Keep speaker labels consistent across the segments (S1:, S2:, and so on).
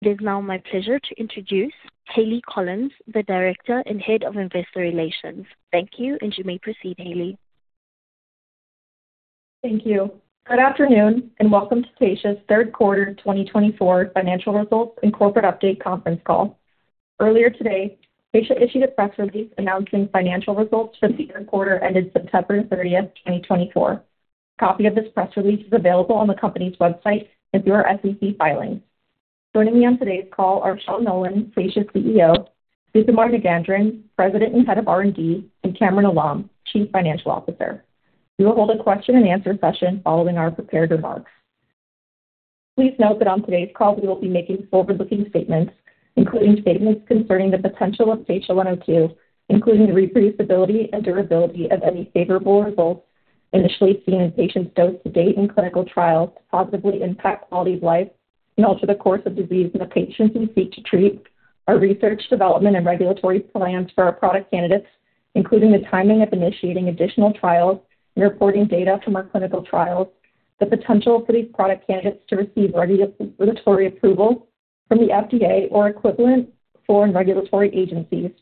S1: It is now my pleasure to introduce Hayleigh Collins, the Director and Head of Investor Relations. Thank you, and you may proceed, Hayleigh.
S2: Thank you. Good afternoon, and welcome to Taysha's Third Quarter 2024 Financial Results and Corporate Update Conference Call. Earlier today, Taysha issued a press release announcing financial results for the third quarter ended September 30th 2024. A copy of this press release is available on the company's website and through our SEC filings. Joining me on today's call are Sean Nolan, Taysha's CEO; Sukumar Nagendran, President and Head of R&D; and Kamran Alam, Chief Financial Officer. We will hold a question-and-answer session following our prepared remarks. Please note that on today's call, we will be making forward-looking statements, including statements concerning the potential of TSHA-102, including the reproducibility and durability of any favorable results initially seen in patients dosed to date in clinical trials to positively impact quality of life and alter the course of disease in the patients we seek to treat. Our research, development, and regulatory plans for our product candidates, including the timing of initiating additional trials and reporting data from our clinical trials. The potential for these product candidates to receive regulatory approval from the FDA or equivalent foreign regulatory agencies.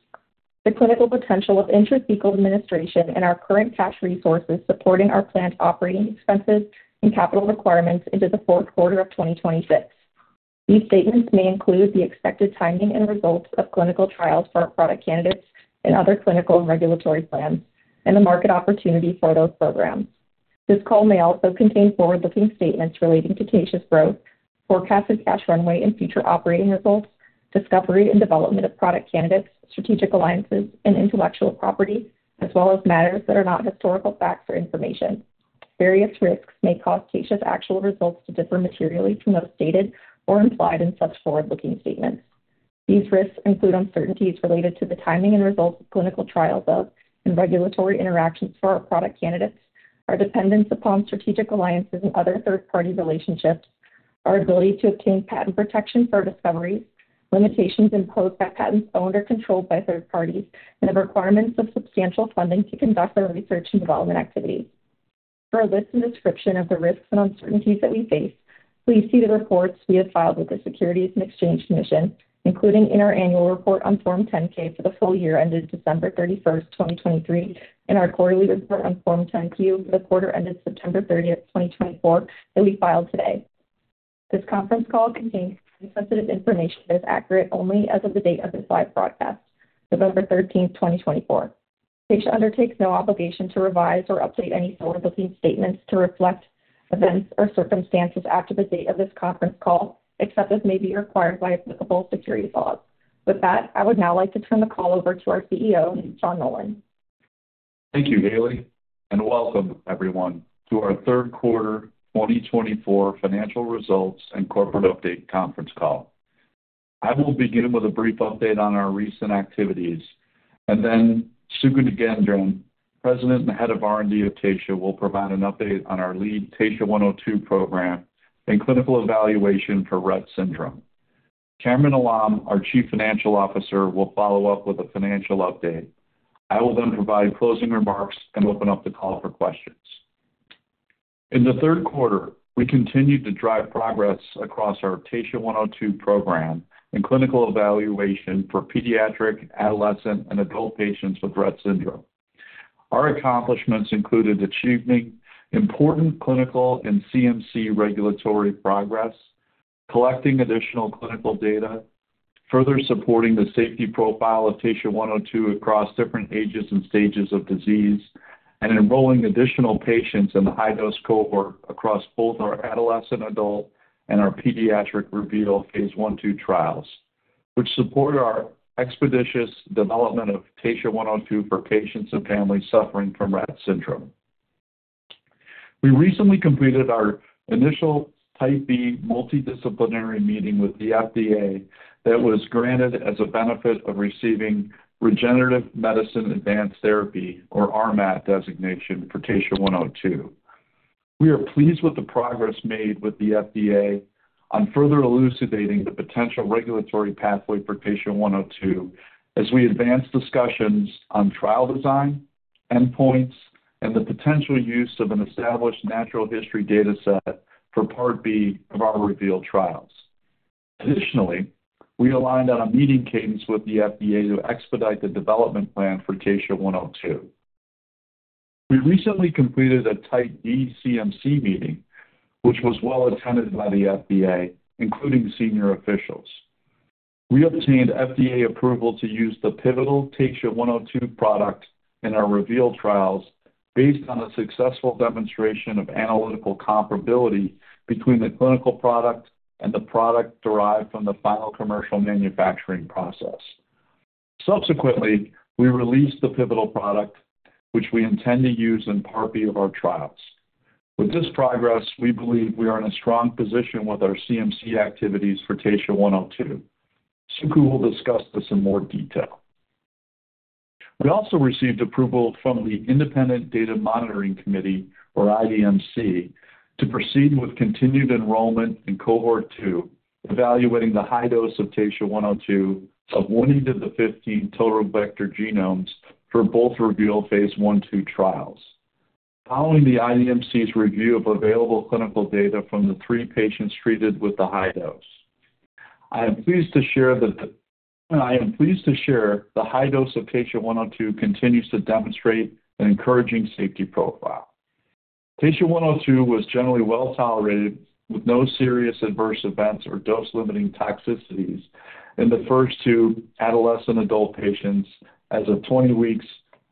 S2: The clinical potential of intrathecal administration and our current cash resources supporting our planned operating expenses and capital requirements into the fourth quarter of 2026. These statements may include the expected timing and results of clinical trials for our product candidates and other clinical and regulatory plans, and the market opportunity for those programs. This call may also contain forward-looking statements relating to Taysha's growth, forecasted cash runway, and future operating results, discovery and development of product candidates, strategic alliances, and intellectual property, as well as matters that are not historical facts or information. Various risks may cause Taysha's actual results to differ materially from those stated or implied in such forward-looking statements. These risks include uncertainties related to the timing and results of clinical trials of and regulatory interactions for our product candidates, our dependence upon strategic alliances and other third-party relationships, our ability to obtain patent protection for our discoveries, limitations imposed by patents owned or controlled by third parties, and the requirements of substantial funding to conduct our research and development activities. For a list and description of the risks and uncertainties that we face, please see the reports we have filed with the Securities and Exchange Commission, including in our annual report on Form 10-K for the full year ended December 31st 2023, and our quarterly report on Form 10-Q for the quarter ended September 30th 2024, that we filed today. This conference call contains sensitive information that is accurate only as of the date of this live broadcast, November 13th 2024. Taysha undertakes no obligation to revise or update any forward-looking statements to reflect events or circumstances after the date of this conference call, except as may be required by applicable securities laws. With that, I would now like to turn the call over to our CEO, Sean Nolan.
S3: Thank you, Hayleigh, and welcome, everyone, to our Third Quarter 2024 Financial Results and Corporate Update Conference Call. I will begin with a brief update on our recent activities, and then Sukumar Nagendran, President and Head of R&D of Taysha, will provide an update on our lead TSHA-102 program and clinical evaluation for Rett syndrome. Kamran Alam, our Chief Financial Officer, will follow up with a financial update. I will then provide closing remarks and open up the call for questions. In the third quarter, we continued to drive progress across our TSHA-102 program and clinical evaluation for pediatric, adolescent, and adult patients with Rett syndrome. Our accomplishments included achieving important clinical and CMC regulatory progress, collecting additional clinical data, further supporting the safety profile of TSHA-102 across different ages and stages of disease, and enrolling additional patients in the high-dose cohort across both our adolescent-adult and our pediatric REVEAL Phase 1/2 trials, which support our expeditious development of TSHA-102 for patients and families suffering from Rett syndrome. We recently completed our initial Type B multidisciplinary meeting with the FDA that was granted as a benefit of receiving Regenerative Medicine Advanced Therapy, or RMAT, designation for TSHA-102. We are pleased with the progress made with the FDA on further elucidating the potential regulatory pathway for TSHA-102 as we advance discussions on trial design, endpoints, and the potential use of an established natural history data set for Part B of our REVEAL trials. Additionally, we aligned on a meeting cadence with the FDA to expedite the development plan for TSHA-102. We recently completed a Type D CMC meeting, which was well attended by the FDA, including senior officials. We obtained FDA approval to use the pivotal TSHA-102 product in our REVEAL trials based on a successful demonstration of analytical comparability between the clinical product and the product derived from the final commercial manufacturing process. Subsequently, we released the pivotal product, which we intend to use in Part B of our trials. With this progress, we believe we are in a strong position with our CMC activities for TSHA-102. Sukumar will discuss this in more detail. We also received approval from the Independent Data Monitoring Committee, or IDMC, to proceed with continued enrollment in Cohort 2, evaluating the high dose of TSHA-102 of 1.8 × 10^15 total vector genomes for both REVEAL Phase 1/2 trials, following the IDMC's review of available clinical data from the three patients treated with the high dose. I am pleased to share that the high dose of TSHA-102 continues to demonstrate an encouraging safety profile. TSHA-102 was generally well tolerated with no serious adverse events or dose-limiting toxicities in the first two adolescent-adult patients as of 20 weeks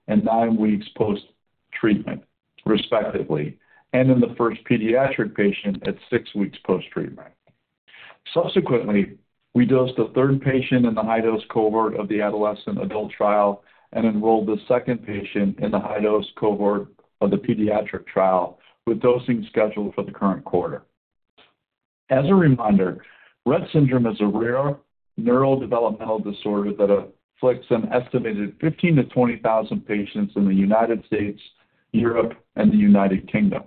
S3: and nine weeks post-treatment, respectively, and in the first pediatric patient at six weeks post-treatment. Subsequently, we dosed the third patient in the high-dose cohort of the adolescent-adult trial and enrolled the second patient in the high-dose cohort of the pediatric trial with dosing scheduled for the current quarter. As a reminder, Rett Syndrome is a rare neurodevelopmental disorder that afflicts an estimated 15,000-20,000 patients in the United States, Europe, and the United Kingdom.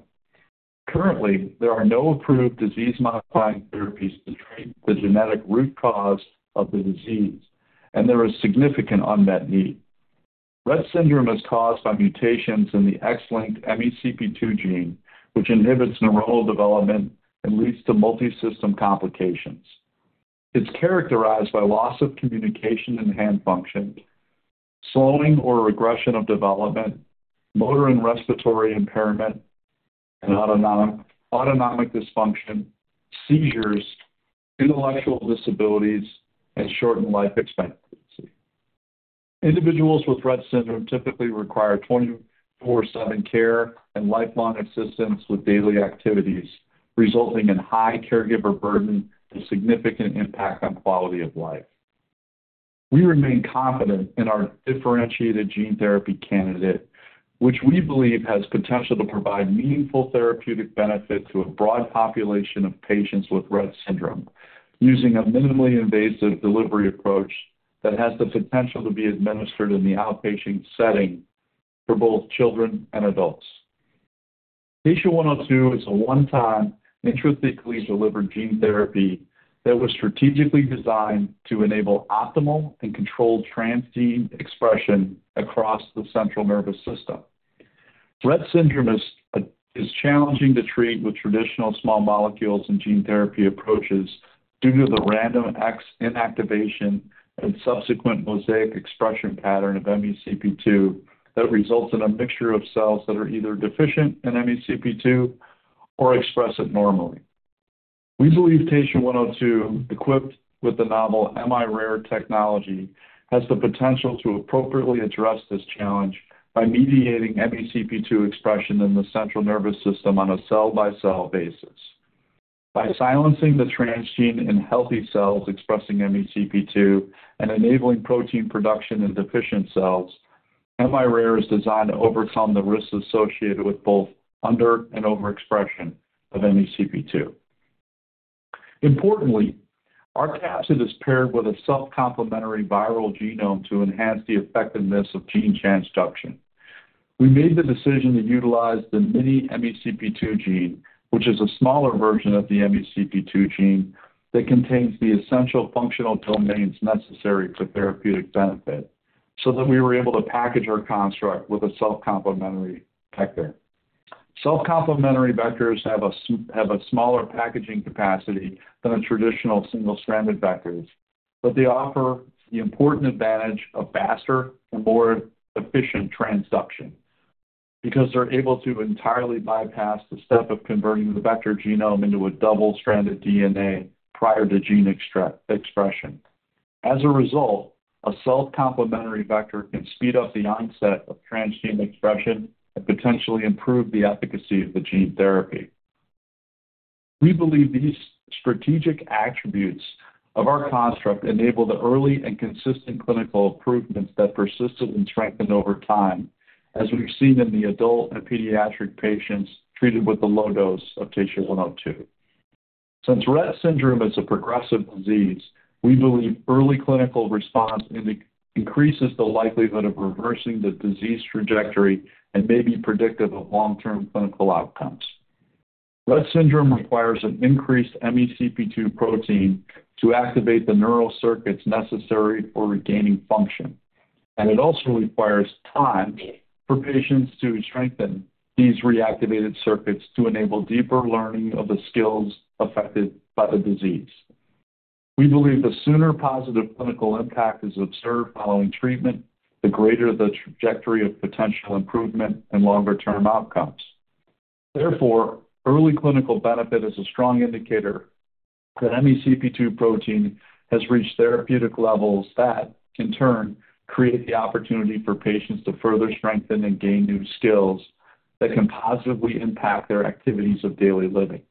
S3: Currently, there are no approved disease-modifying therapies to treat the genetic root cause of the disease, and there is significant unmet need. Rett Syndrome is caused by mutations in the X-linked MECP2 gene, which inhibits neuronal development and leads to multi-system complications. It's characterized by loss of communication and hand function, slowing or regression of development, motor and respiratory impairment, and autonomic dysfunction, seizures, intellectual disabilities, and shortened life expectancy. Individuals with Rett Syndrome typically require 24/7 care and lifelong assistance with daily activities, resulting in high caregiver burden and significant impact on quality of life. We remain confident in our differentiated gene therapy candidate, which we believe has potential to provide meaningful therapeutic benefit to a broad population of patients with Rett Syndrome, using a minimally invasive delivery approach that has the potential to be administered in the outpatient setting for both children and adults. TSHA-102 is a one-time intrathecally delivered gene therapy that was strategically designed to enable optimal and controlled transgene expression across the central nervous system. Rett Syndrome is challenging to treat with traditional small molecules and gene therapy approaches due to the random X inactivation and subsequent mosaic expression pattern of MECP2 that results in a mixture of cells that are either deficient in MECP2 or express it normally. We believe TSHA-102, equipped with the novel miRARE technology, has the potential to appropriately address this challenge by mediating MECP2 expression in the central nervous system on a cell-by-cell basis. By silencing the transgene in healthy cells expressing MECP2 and enabling protein production in deficient cells, miRARE is designed to overcome the risks associated with both under- and overexpression of MECP2. Importantly, our capsid is paired with a self-complementary viral genome to enhance the effectiveness of gene transduction. We made the decision to utilize the mini-MECP2 gene, which is a smaller version of the MECP2 gene that contains the essential functional domains necessary for therapeutic benefit, so that we were able to package our construct with a self-complementary vector. Self-complementary vectors have a smaller packaging capacity than the traditional single-stranded vectors, but they offer the important advantage of faster and more efficient transduction because they're able to entirely bypass the step of converting the vector genome into a double-stranded DNA prior to gene expression. As a result, a self-complementary vector can speed up the onset of transgene expression and potentially improve the efficacy of the gene therapy. We believe these strategic attributes of our construct enable the early and consistent clinical improvements that persisted and strengthened over time, as we've seen in the adult and pediatric patients treated with the low dose of TSHA-102. Since Rett Syndrome is a progressive disease, we believe early clinical response increases the likelihood of reversing the disease trajectory and may be predictive of long-term clinical outcomes. Rett Syndrome requires an increased MECP2 protein to activate the neural circuits necessary for regaining function, and it also requires time for patients to strengthen these reactivated circuits to enable deeper learning of the skills affected by the disease. We believe the sooner positive clinical impact is observed following treatment, the greater the trajectory of potential improvement and longer-term outcomes. Therefore, early clinical benefit is a strong indicator that MECP2 protein has reached therapeutic levels that, in turn, create the opportunity for patients to further strengthen and gain new skills that can positively impact their activities of daily living.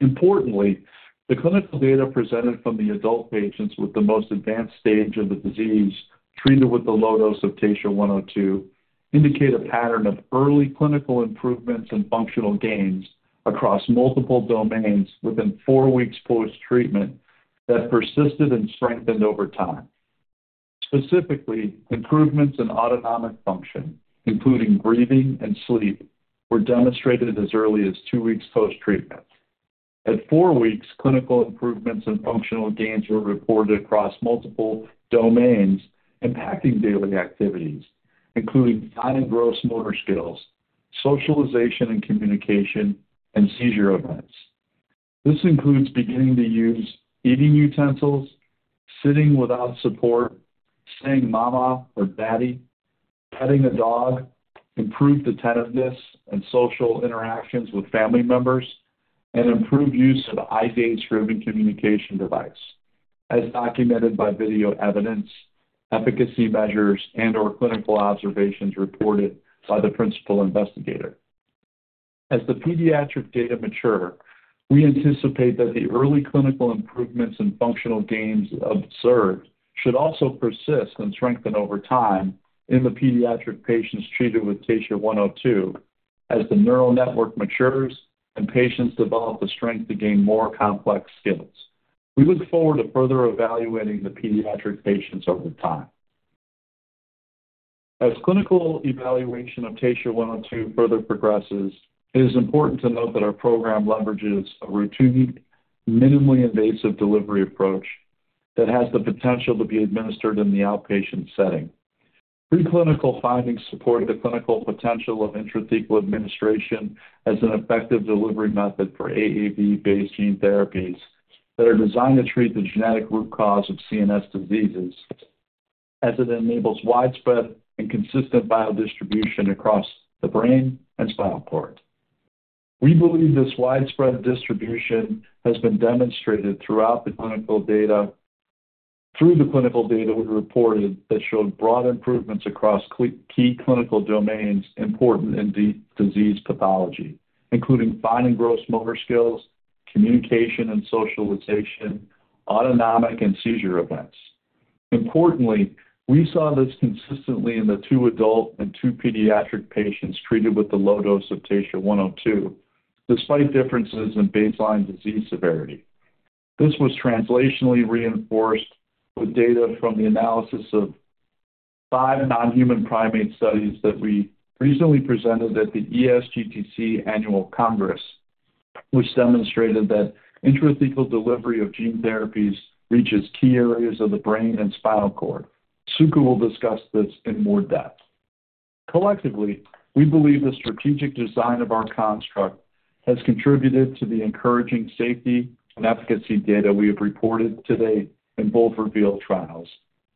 S3: Importantly, the clinical data presented from the adult patients with the most advanced stage of the disease treated with the low dose of TSHA-102 indicate a pattern of early clinical improvements and functional gains across multiple domains within four weeks post-treatment that persisted and strengthened over time. Specifically, improvements in autonomic function, including breathing and sleep, were demonstrated as early as two weeks post-treatment. At four weeks, clinical improvements and functional gains were reported across multiple domains impacting daily activities, including fine and gross motor skills, socialization and communication, and seizure events. This includes beginning to use eating utensils, sitting without support, saying "mama" or "daddy," petting a dog, improved attentiveness and social interactions with family members, and improved use of eye gaze-driven communication device, as documented by video evidence, efficacy measures, and/or clinical observations reported by the principal investigator. As the pediatric data mature, we anticipate that the early clinical improvements and functional gains observed should also persist and strengthen over time in the pediatric patients treated with TSHA-102, as the neural network matures and patients develop the strength to gain more complex skills. We look forward to further evaluating the pediatric patients over time. As clinical evaluation of TSHA-102 further progresses, it is important to note that our program leverages a routine, minimally invasive delivery approach that has the potential to be administered in the outpatient setting. Pre-clinical findings support the clinical potential of intrathecal administration as an effective delivery method for AAV-based gene therapies that are designed to treat the genetic root cause of CNS diseases, as it enables widespread and consistent biodistribution across the brain and spinal cord. We believe this widespread distribution has been demonstrated throughout the clinical data we reported that showed broad improvements across key clinical domains important in disease pathology, including fine and gross motor skills, communication and socialization, autonomic and seizure events. Importantly, we saw this consistently in the two adult and two pediatric patients treated with the low dose of TSHA-102, despite differences in baseline disease severity. This was translationally reinforced with data from the analysis of five non-human primate studies that we recently presented at the ESGCT annual congress, which demonstrated that intrathecal delivery of gene therapies reaches key areas of the brain and spinal cord. Sukumar will discuss this in more depth. Collectively, we believe the strategic design of our construct has contributed to the encouraging safety and efficacy data we have reported to date in both REVEAL trials,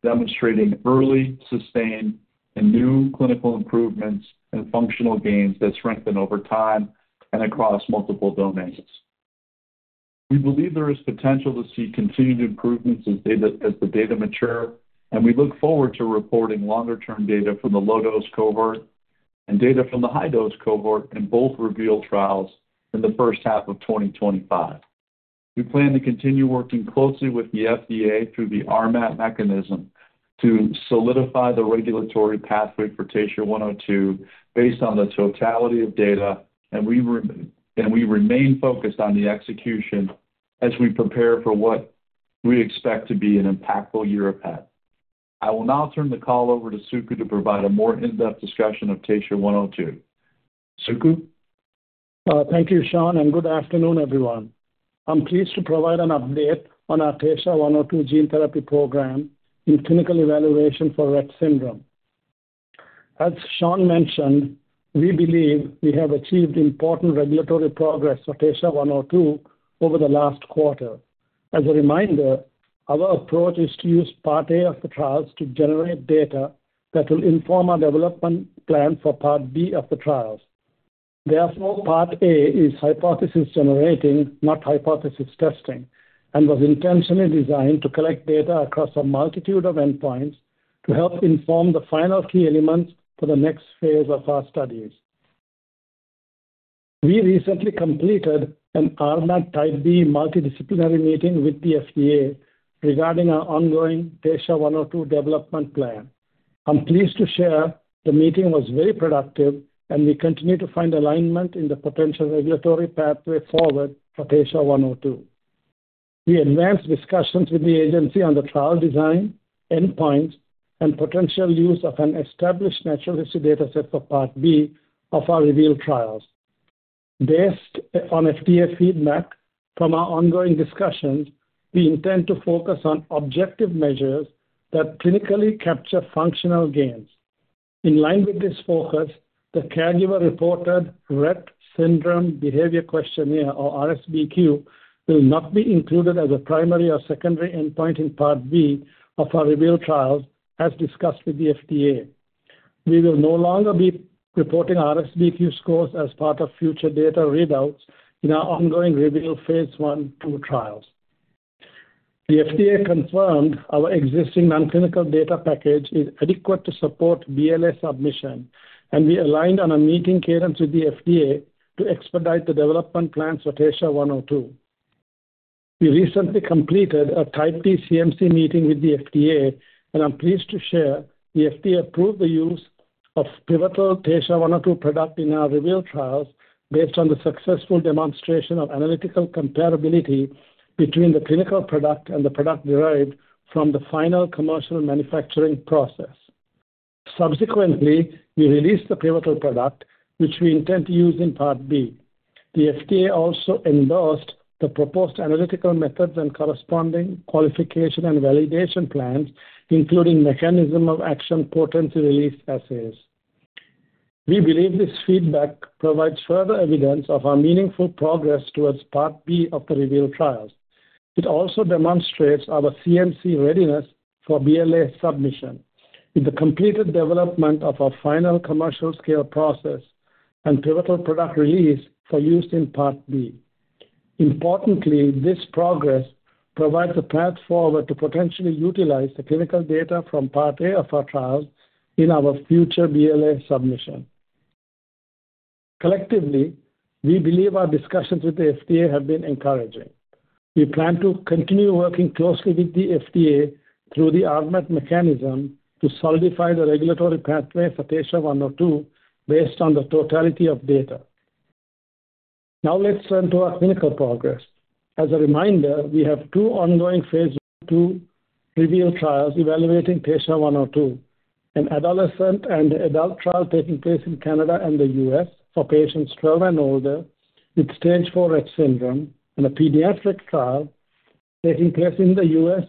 S3: demonstrating early, sustained, and new clinical improvements and functional gains that strengthen over time and across multiple domains. We believe there is potential to see continued improvements as the data mature, and we look forward to reporting longer-term data from the low-dose cohort and data from the high-dose cohort in both REVEAL trials in the first half of 2025. We plan to continue working closely with the FDA through the RMAT mechanism to solidify the regulatory pathway for TSHA-102 based on the totality of data, and we remain focused on the execution as we prepare for what we expect to be an impactful year ahead. I will now turn the call over to Sukumar to provide a more in-depth discussion of TSHA-102. Suku?
S4: Thank you, Sean, and good afternoon, everyone. I'm pleased to provide an update on our TSHA-102 gene therapy program in clinical evaluation for Rett Syndrome. As Sean mentioned, we believe we have achieved important regulatory progress for TSHA-102 over the last quarter. As a reminder, our approach is to use Part A of the trials to generate data that will inform our development plan for Part B of the trials. Therefore, Part A is hypothesis-generating, not hypothesis testing, and was intentionally designed to collect data across a multitude of endpoints to help inform the final key elements for the next phase of our studies. We recently completed an RMAT Type B multidisciplinary meeting with the FDA regarding our ongoing TSHA-102 development plan. I'm pleased to share the meeting was very productive, and we continue to find alignment in the potential regulatory pathway forward for TSHA-102. We advanced discussions with the agency on the trial design, endpoints, and potential use of an established natural history dataset for Part B of our REVEAL trials. Based on FDA feedback from our ongoing discussions, we intend to focus on objective measures that clinically capture functional gains. In line with this focus, the caregiver-reported Rett Syndrome Behavior Questionnaire, or RSBQ, will not be included as a primary or secondary endpoint in Part B of our REVEAL trials, as discussed with the FDA. We will no longer be reporting RSBQ scores as part of future data readouts in our ongoing REVEAL Phase 1/2 trials. The FDA confirmed our existing non-clinical data package is adequate to support BLA submission, and we aligned on a meeting cadence with the FDA to expedite the development plans for TSHA-102. We recently completed a Type D CMC meeting with the FDA, and I'm pleased to share the FDA approved the use of pivotal TSHA-102 product in our REVEAL trials based on the successful demonstration of analytical comparability between the clinical product and the product derived from the final commercial manufacturing process. Subsequently, we released the pivotal product, which we intend to use in Part B. The FDA also endorsed the proposed analytical methods and corresponding qualification and validation plans, including mechanism of action potency release assays. We believe this feedback provides further evidence of our meaningful progress towards Part B of the REVEAL trials. It also demonstrates our CMC readiness for BLA submission with the completed development of our final commercial scale process and pivotal product release for use in Part B. Importantly, this progress provides a path forward to potentially utilize the clinical data from Part A of our trials in our future BLA submission. Collectively, we believe our discussions with the FDA have been encouraging. We plan to continue working closely with the FDA through the RMAT mechanism to solidify the regulatory pathway for TSHA-102 based on the totality of data. Now, let's turn to our clinical progress. As a reminder, we have two ongoing Phase 1/2 REVEAL trials evaluating TSHA-102, an adolescent and adult trial taking place in Canada and the U.S for patients 12 and older with Stage 4 Rett Syndrome, and a pediatric trial taking place in the U.S,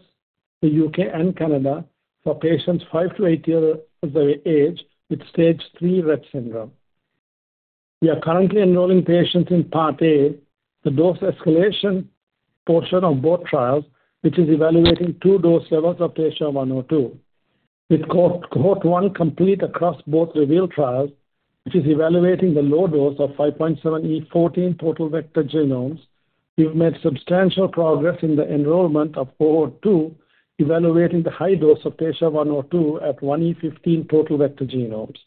S4: the U.K, and Canada for patients five to eight years of age with Stage 3 Rett Syndrome. We are currently enrolling patients in Part A, the dose escalation portion of both trials, which is evaluating two dose levels of TSHA-102. With cohort one complete across both REVEAL trials, which is evaluating the low dose of 5.7E14 total vector genomes, we've made substantial progress in the enrollment of cohort two evaluating the high dose of TSHA-102 at 1E15 total vector genomes.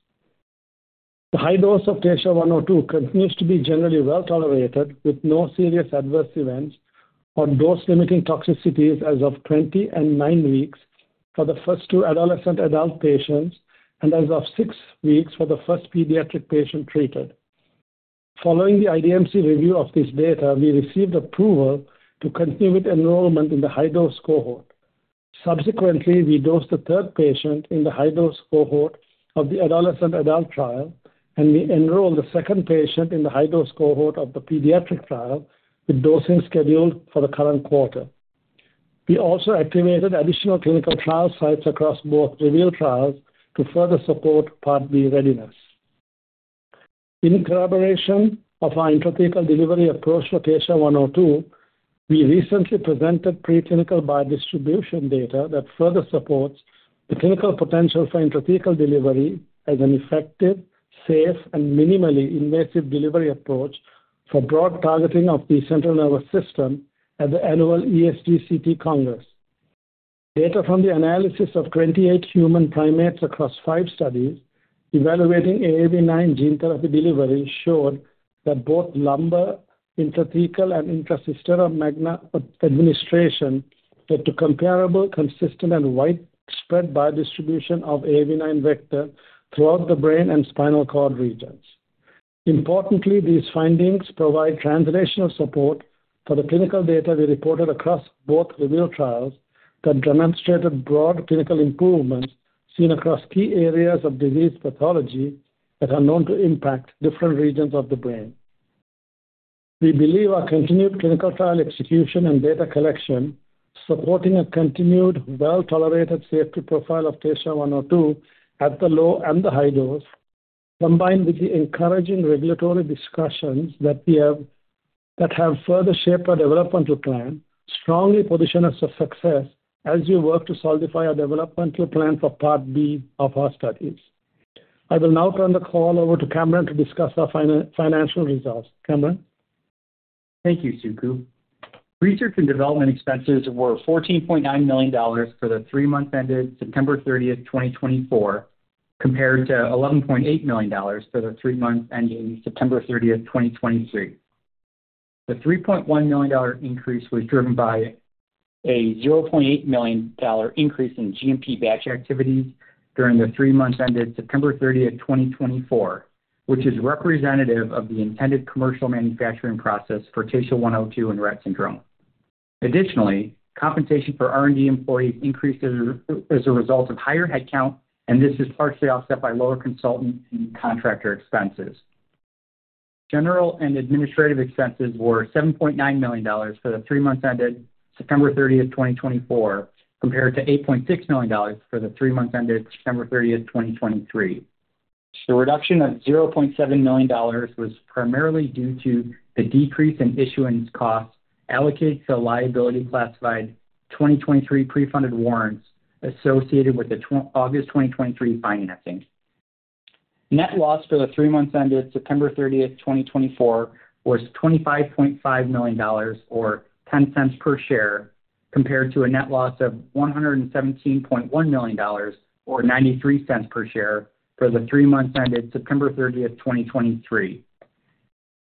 S4: The high dose of TSHA-102 continues to be generally well tolerated with no serious adverse events or dose-limiting toxicities as of 29 weeks for the first two adolescent adult patients and as of six weeks for the first pediatric patient treated. Following the IDMC review of this data, we received approval to continue with enrollment in the high dose cohort. Subsequently, we dosed the third patient in the high dose cohort of the adolescent adult trial, and we enrolled the second patient in the high dose cohort of the pediatric trial with dosing scheduled for the current quarter. We also activated additional clinical trial sites across both REVEAL trials to further support Part B readiness. In collaboration with our intrathecal delivery approach for TSHA-102, we recently presented pre-clinical biodistribution data that further supports the clinical potential for intrathecal delivery as an effective, safe, and minimally invasive delivery approach for broad targeting of the central nervous system at the annual ESGCT congress. Data from the analysis of 28 non-human primates across five studies evaluating AAV9 gene therapy delivery showed that both lumbar intrathecal and intracisternal administration led to comparable, consistent, and widespread biodistribution of AAV9 vector throughout the brain and spinal cord regions. Importantly, these findings provide translational support for the clinical data we reported across both REVEAL trials that demonstrated broad clinical improvements seen across key areas of disease pathology that are known to impact different regions of the brain. We believe our continued clinical trial execution and data collection supporting a continued well-tolerated safety profile of TSHA-102 at the low and the high dose, combined with the encouraging regulatory discussions that have further shaped our developmental plan, strongly position us for success as we work to solidify our developmental plan for Part B of our studies. I will now turn the call over to Kamran to discuss our financial results. Kamran?
S5: Thank you, Suku. Research and development expenses were $14.9 million for the three months ended September 30, 2024, compared to $11.8 million for the three months ending September 30, 2023. The $3.1 million increase was driven by a $0.8 million increase in GMP batch activities during the three months ended September 30, 2024, which is representative of the intended commercial manufacturing process for TSHA-102 and Rett Syndrome. Additionally, compensation for R&D employees increased as a result of higher headcount, and this is partially offset by lower consultant and contractor expenses. General and administrative expenses were $7.9 million for the three months ended September 30, 2024, compared to $8.6 million for the three months ended September 30, 2023. The reduction of $0.7 million was primarily due to the decrease in issuance costs allocated to liability classified 2023 pre-funded warrants associated with the August 2023 financing. Net loss for the three months ended September 30, 2024, was $25.5 million, or $0.10 per share, compared to a net loss of $117.1 million, or $0.93 per share, for the three months ended September 30, 2023.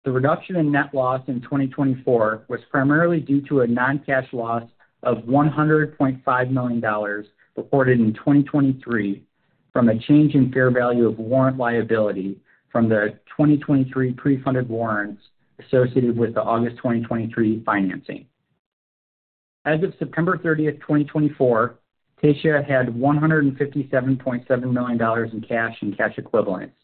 S5: The reduction in net loss in 2024 was primarily due to a non-cash loss of $100.5 million reported in 2023 from a change in fair value of warrant liability from the 2023 pre-funded warrants associated with the August 2023 financing. As of September 30, 2024, Taysha had $157.7 million in cash and cash equivalents.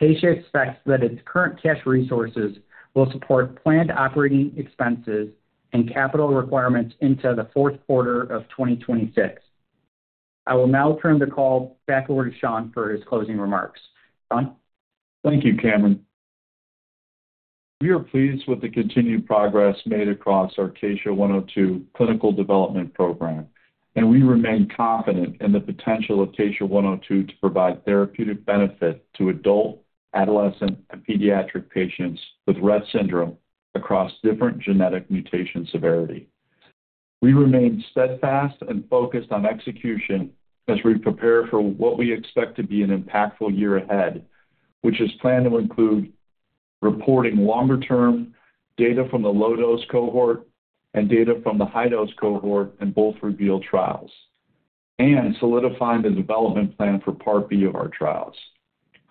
S5: Taysha expects that its current cash resources will support planned operating expenses and capital requirements into the fourth quarter of 2026. I will now turn the call back over to Sean for his closing remarks. Sean?
S3: Thank you, Kamran. We are pleased with the continued progress made across our TSHA-102 clinical development program, and we remain confident in the potential of TSHA-102 to provide therapeutic benefit to adult, adolescent, and pediatric patients with Rett Syndrome across different genetic mutation severity. We remain steadfast and focused on execution as we prepare for what we expect to be an impactful year ahead, which is planned to include reporting longer-term data from the low-dose cohort and data from the high-dose cohort in both REVEAL trials, and solidifying the development plan for Part B of our trials.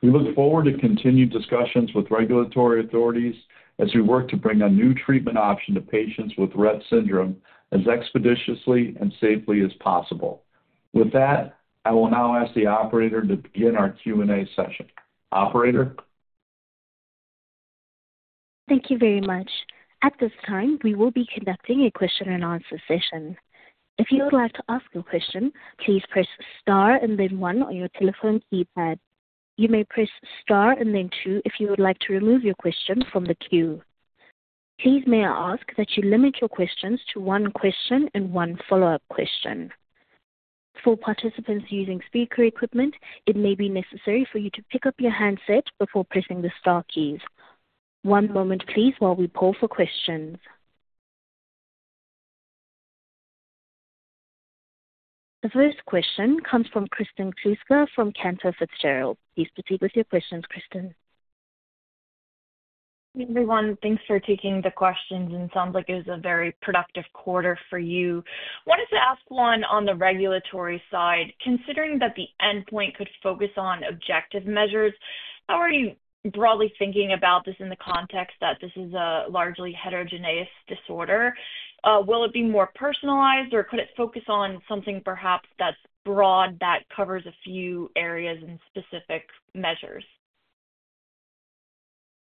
S3: We look forward to continued discussions with regulatory authorities as we work to bring a new treatment option to patients with Rett Syndrome as expeditiously and safely as possible. With that, I will now ask the operator to begin our Q&A session. Operator?
S1: Thank you very much. At this time, we will be conducting a question-and-answer session. If you would like to ask a question, please press star and then one on your telephone keypad. You may press star and then two if you would like to remove your question from the queue. Please may I ask that you limit your questions to one question and one follow-up question. For participants using speaker equipment, it may be necessary for you to pick up your handset before pressing the star keys. One moment, please, while we pull for questions. The first question comes from Kristen Kluska from Cantor Fitzgerald. Please proceed with your questions, Kristen.
S6: Hey, everyone. Thanks for taking the questions. And it sounds like it was a very productive quarter for you. I wanted to ask one on the regulatory side. Considering that the endpoint could focus on objective measures, how are you broadly thinking about this in the context that this is a largely heterogeneous disorder? Will it be more personalized, or could it focus on something perhaps that's broad that covers a few areas and specific measures?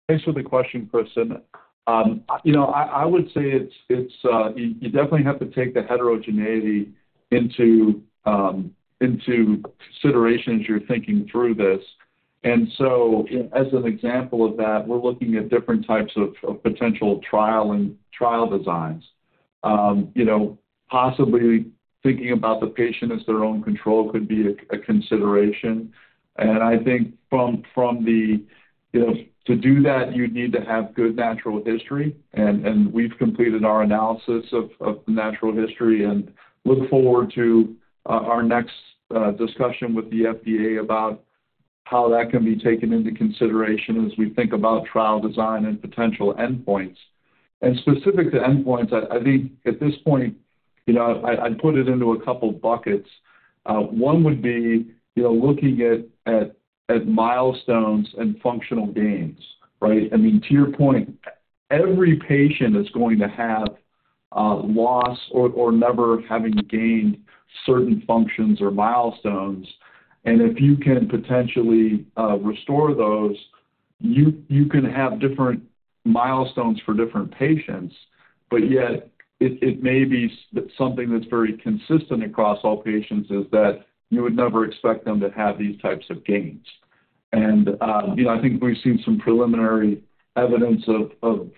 S3: Thanks for the question, Kristen. I would say you definitely have to take the heterogeneity into consideration as you're thinking through this. And so, as an example of that, we're looking at different types of potential trial and trial designs. Possibly thinking about the patient as their own control could be a consideration. And I think to do that, you'd need to have good natural history. And we've completed our analysis of the natural history and look forward to our next discussion with the FDA about how that can be taken into consideration as we think about trial design and potential endpoints. And specific to endpoints, I think at this point, I'd put it into a couple of buckets. One would be looking at milestones and functional gains, right? I mean, to your point, every patient is going to have loss or never having gained certain functions or milestones. And if you can potentially restore those, you can have different milestones for different patients. But yet, it may be something that's very consistent across all patients is that you would never expect them to have these types of gains. And I think we've seen some preliminary evidence of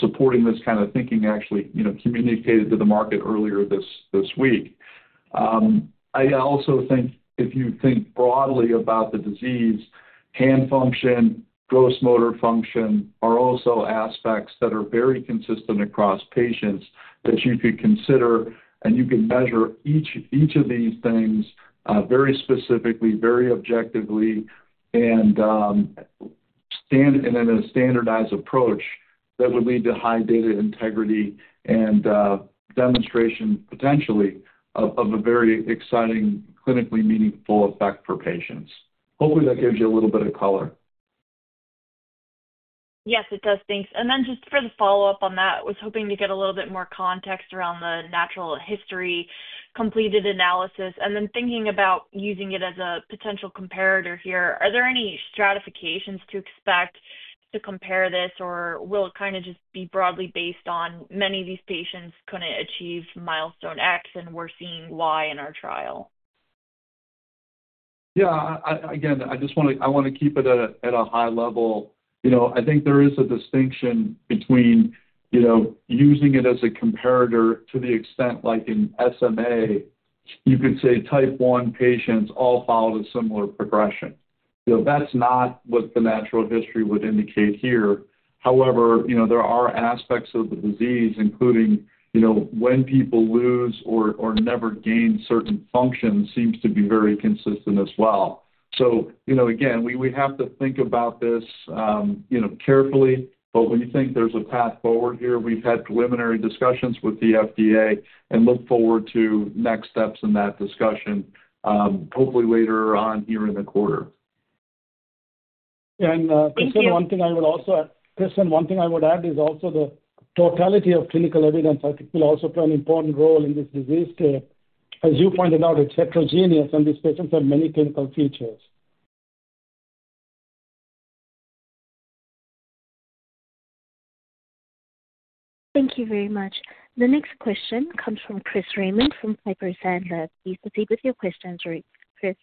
S3: supporting this kind of thinking actually communicated to the market earlier this week. I also think if you think broadly about the disease, hand function, gross motor function are also aspects that are very consistent across patients that you could consider. And you could measure each of these things very specifically, very objectively, and in a standardized approach that would lead to high data integrity and demonstration potentially of a very exciting clinically meaningful effect for patients. Hopefully, that gives you a little bit of color.
S6: Yes, it does. Thanks. And then just for the follow-up on that, I was hoping to get a little bit more context around the natural history completed analysis. And then thinking about using it as a potential comparator here, are there any stratifications to expect to compare this, or will it kind of just be broadly based on many of these patients couldn't achieve milestone X, and we're seeing Y in our trial?
S3: Yeah. Again, I want to keep it at a high level. I think there is a distinction between using it as a comparator to the extent like in SMA, you could say type 1 patients all followed a similar progression. That's not what the natural history would indicate here. However, there are aspects of the disease, including when people lose or never gain certain functions, seems to be very consistent as well. So again, we have to think about this carefully. But when you think there's a path forward here, we've had preliminary discussions with the FDA and look forward to next steps in that discussion, hopefully later on here in the quarter.
S4: And Kristen, one thing I would add is also the totality of clinical evidence, I think, will also play an important role in this disease state. As you pointed out, it's heterogeneous, and these patients have many clinical features.
S1: Thank you very much. The next question comes from Chris Raymond from Piper Sandler. Please proceed with your questions, Chris.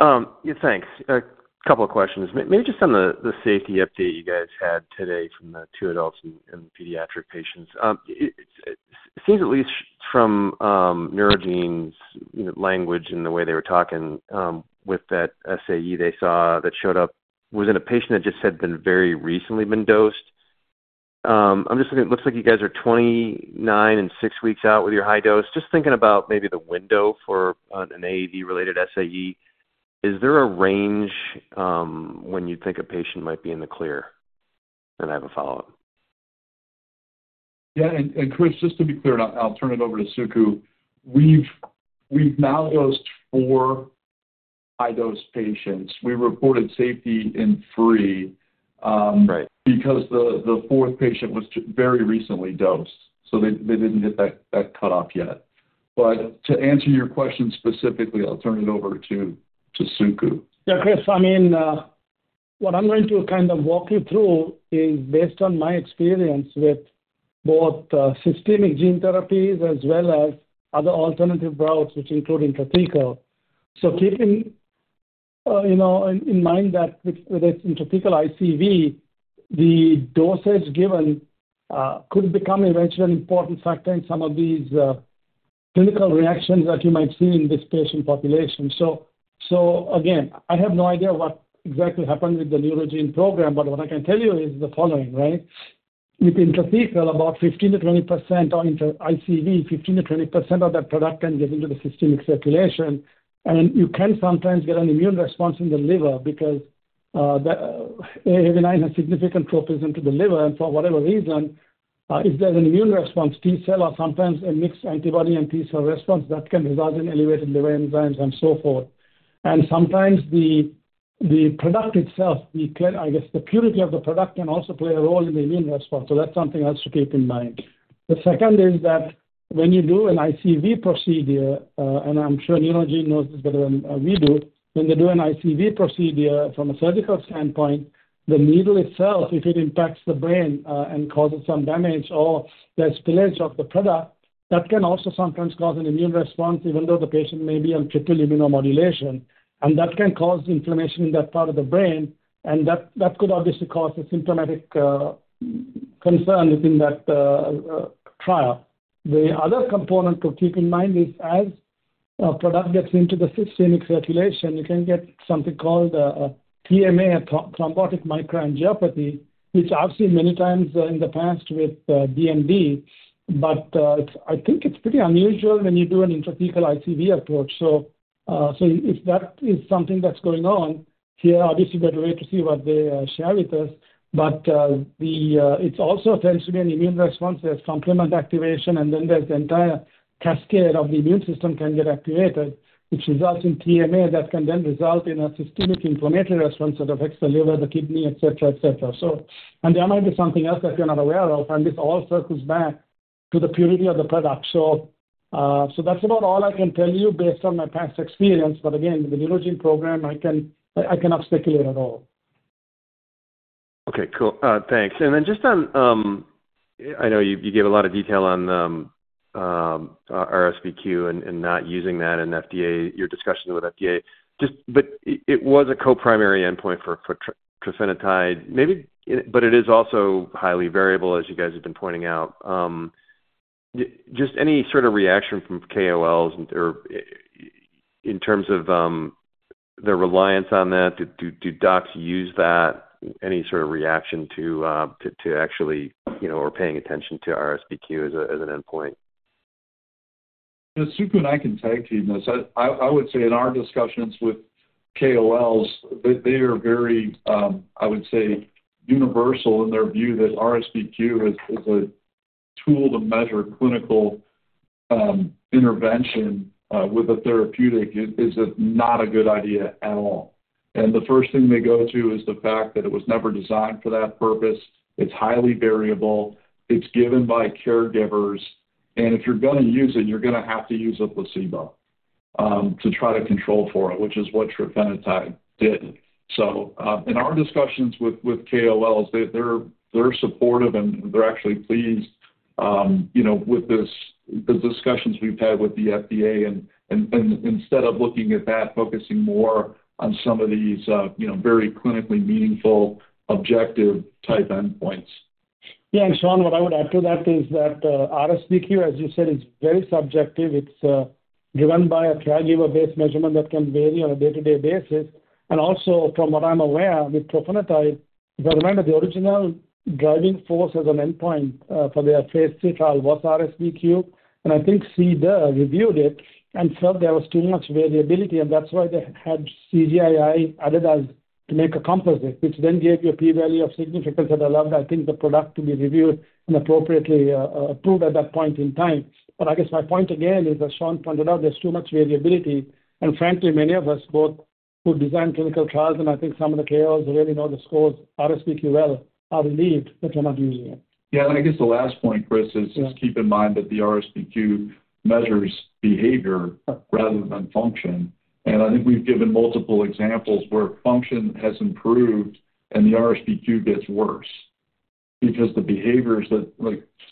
S7: Thanks. A couple of questions. Maybe just on the safety update you guys had today from the two adults and pediatric patients. It seems, at least from Neurogene's language and the way they were talking with that SAE they saw that showed up, was in a patient that just had been very recently dosed. I'm just looking at it looks like you guys are 29 and 6 weeks out with your high dose. Just thinking about maybe the window for an AAV-related SAE, is there a range when you'd think a patient might be in the clear? And I have a follow-up.
S3: Yeah. And Chris, just to be clear, I'll turn it over to Suku. We've now dosed four high-dose patients. We reported safety in three because the fourth patient was very recently dosed, so they didn't hit that cutoff yet. But to answer your question specifically, I'll turn it over to Suku.
S4: Yeah, Chris, I mean, what I'm going to kind of walk you through is based on my experience with both systemic gene therapies as well as other alternative routes, which include intrathecal. So keeping in mind that with intrathecal ICV, the dosage given could become eventually an important factor in some of these clinical reactions that you might see in this patient population. So again, I have no idea what exactly happened with the Neurogene program, but what I can tell you is the following, right? With intrathecal, about 15%-20% of ICV, 15%-20% of that product can get into the systemic circulation. And you can sometimes get an immune response in the liver because AAV9 has significant tropism to the liver. For whatever reason, if there's an immune response, T cell or sometimes a mixed antibody and T cell response, that can result in elevated liver enzymes and so forth. And sometimes the product itself, I guess the purity of the product can also play a role in the immune response. So that's something else to keep in mind. The second is that when you do an ICV procedure, and I'm sure Neurogene knows this better than we do, when they do an ICV procedure from a surgical standpoint, the needle itself, if it impacts the brain and causes some damage or there's spillage of the product, that can also sometimes cause an immune response, even though the patient may be on triple immunomodulation. And that can cause inflammation in that part of the brain. And that could obviously cause a symptomatic concern within that trial. The other component to keep in mind is as a product gets into the systemic circulation, you can get something called TMA, Thrombotic Microangiopathy, which I've seen many times in the past with DMD. But I think it's pretty unusual when you do an intrathecal (IT) approach. So if that is something that's going on, here, obviously, better way to see what they share with us. But it also tends to be an immune response. There's complement activation, and then there's the entire cascade of the immune system can get activated, which results in TMA that can then result in a systemic inflammatory response that affects the liver, the kidney, etc., etc. And there might be something else that you're not aware of. And this all circles back to the purity of the product. So that's about all I can tell you based on my past experience. But again, with the Neurogene program, I can't speculate at all.
S7: Okay. Cool. Thanks. And then just on, I know you gave a lot of detail on RSBQ and not using that in your discussion with FDA. But it was a co-primary endpoint for trofinetide, but it is also highly variable, as you guys have been pointing out. Just any sort of reaction from KOLs in terms of their reliance on that? Do docs use that? Any sort of reaction to actually or paying attention to RSBQ as an endpoint?
S3: Sukumar, I can take this to you. I would say in our discussions with KOLs, they are very, I would say, universal in their view that RSBQ is a tool to measure clinical intervention with a therapeutic is not a good idea at all. The first thing they go to is the fact that it was never designed for that purpose. It's highly variable. It's given by caregivers. And if you're going to use it, you're going to have to use a placebo to try to control for it, which is what trofinetide did. So in our discussions with KOLs, they're supportive, and they're actually pleased with the discussions we've had with the FDA instead of looking at that, focusing more on some of these very clinically meaningful objective type endpoints.
S4: Yeah. And Sean, what I would add to that is that RSBQ, as you said, is very subjective. It's driven by a caregiver-based measurement that can vary on a day-to-day basis. And also, from what I'm aware, with trofinetide, the original driving force as an endpoint for their phase three trial was RSBQ. And I think CDER reviewed it and felt there was too much variability. And that's why they had CGI-I added as to make a composite, which then gave you a p-value of significance that allowed, I think, the product to be reviewed and appropriately approved at that point in time. But I guess my point again is, as Sean pointed out, there's too much variability. And frankly, many of us, both who design clinical trials and I think some of the KOLs who really know the scores RSBQ well are relieved that we're not using it.
S3: Yeah. And I guess the last point, Chris, is just keep in mind that the RSBQ measures behavior rather than function. And I think we've given multiple examples where function has improved and the RSBQ gets worse because the behaviors that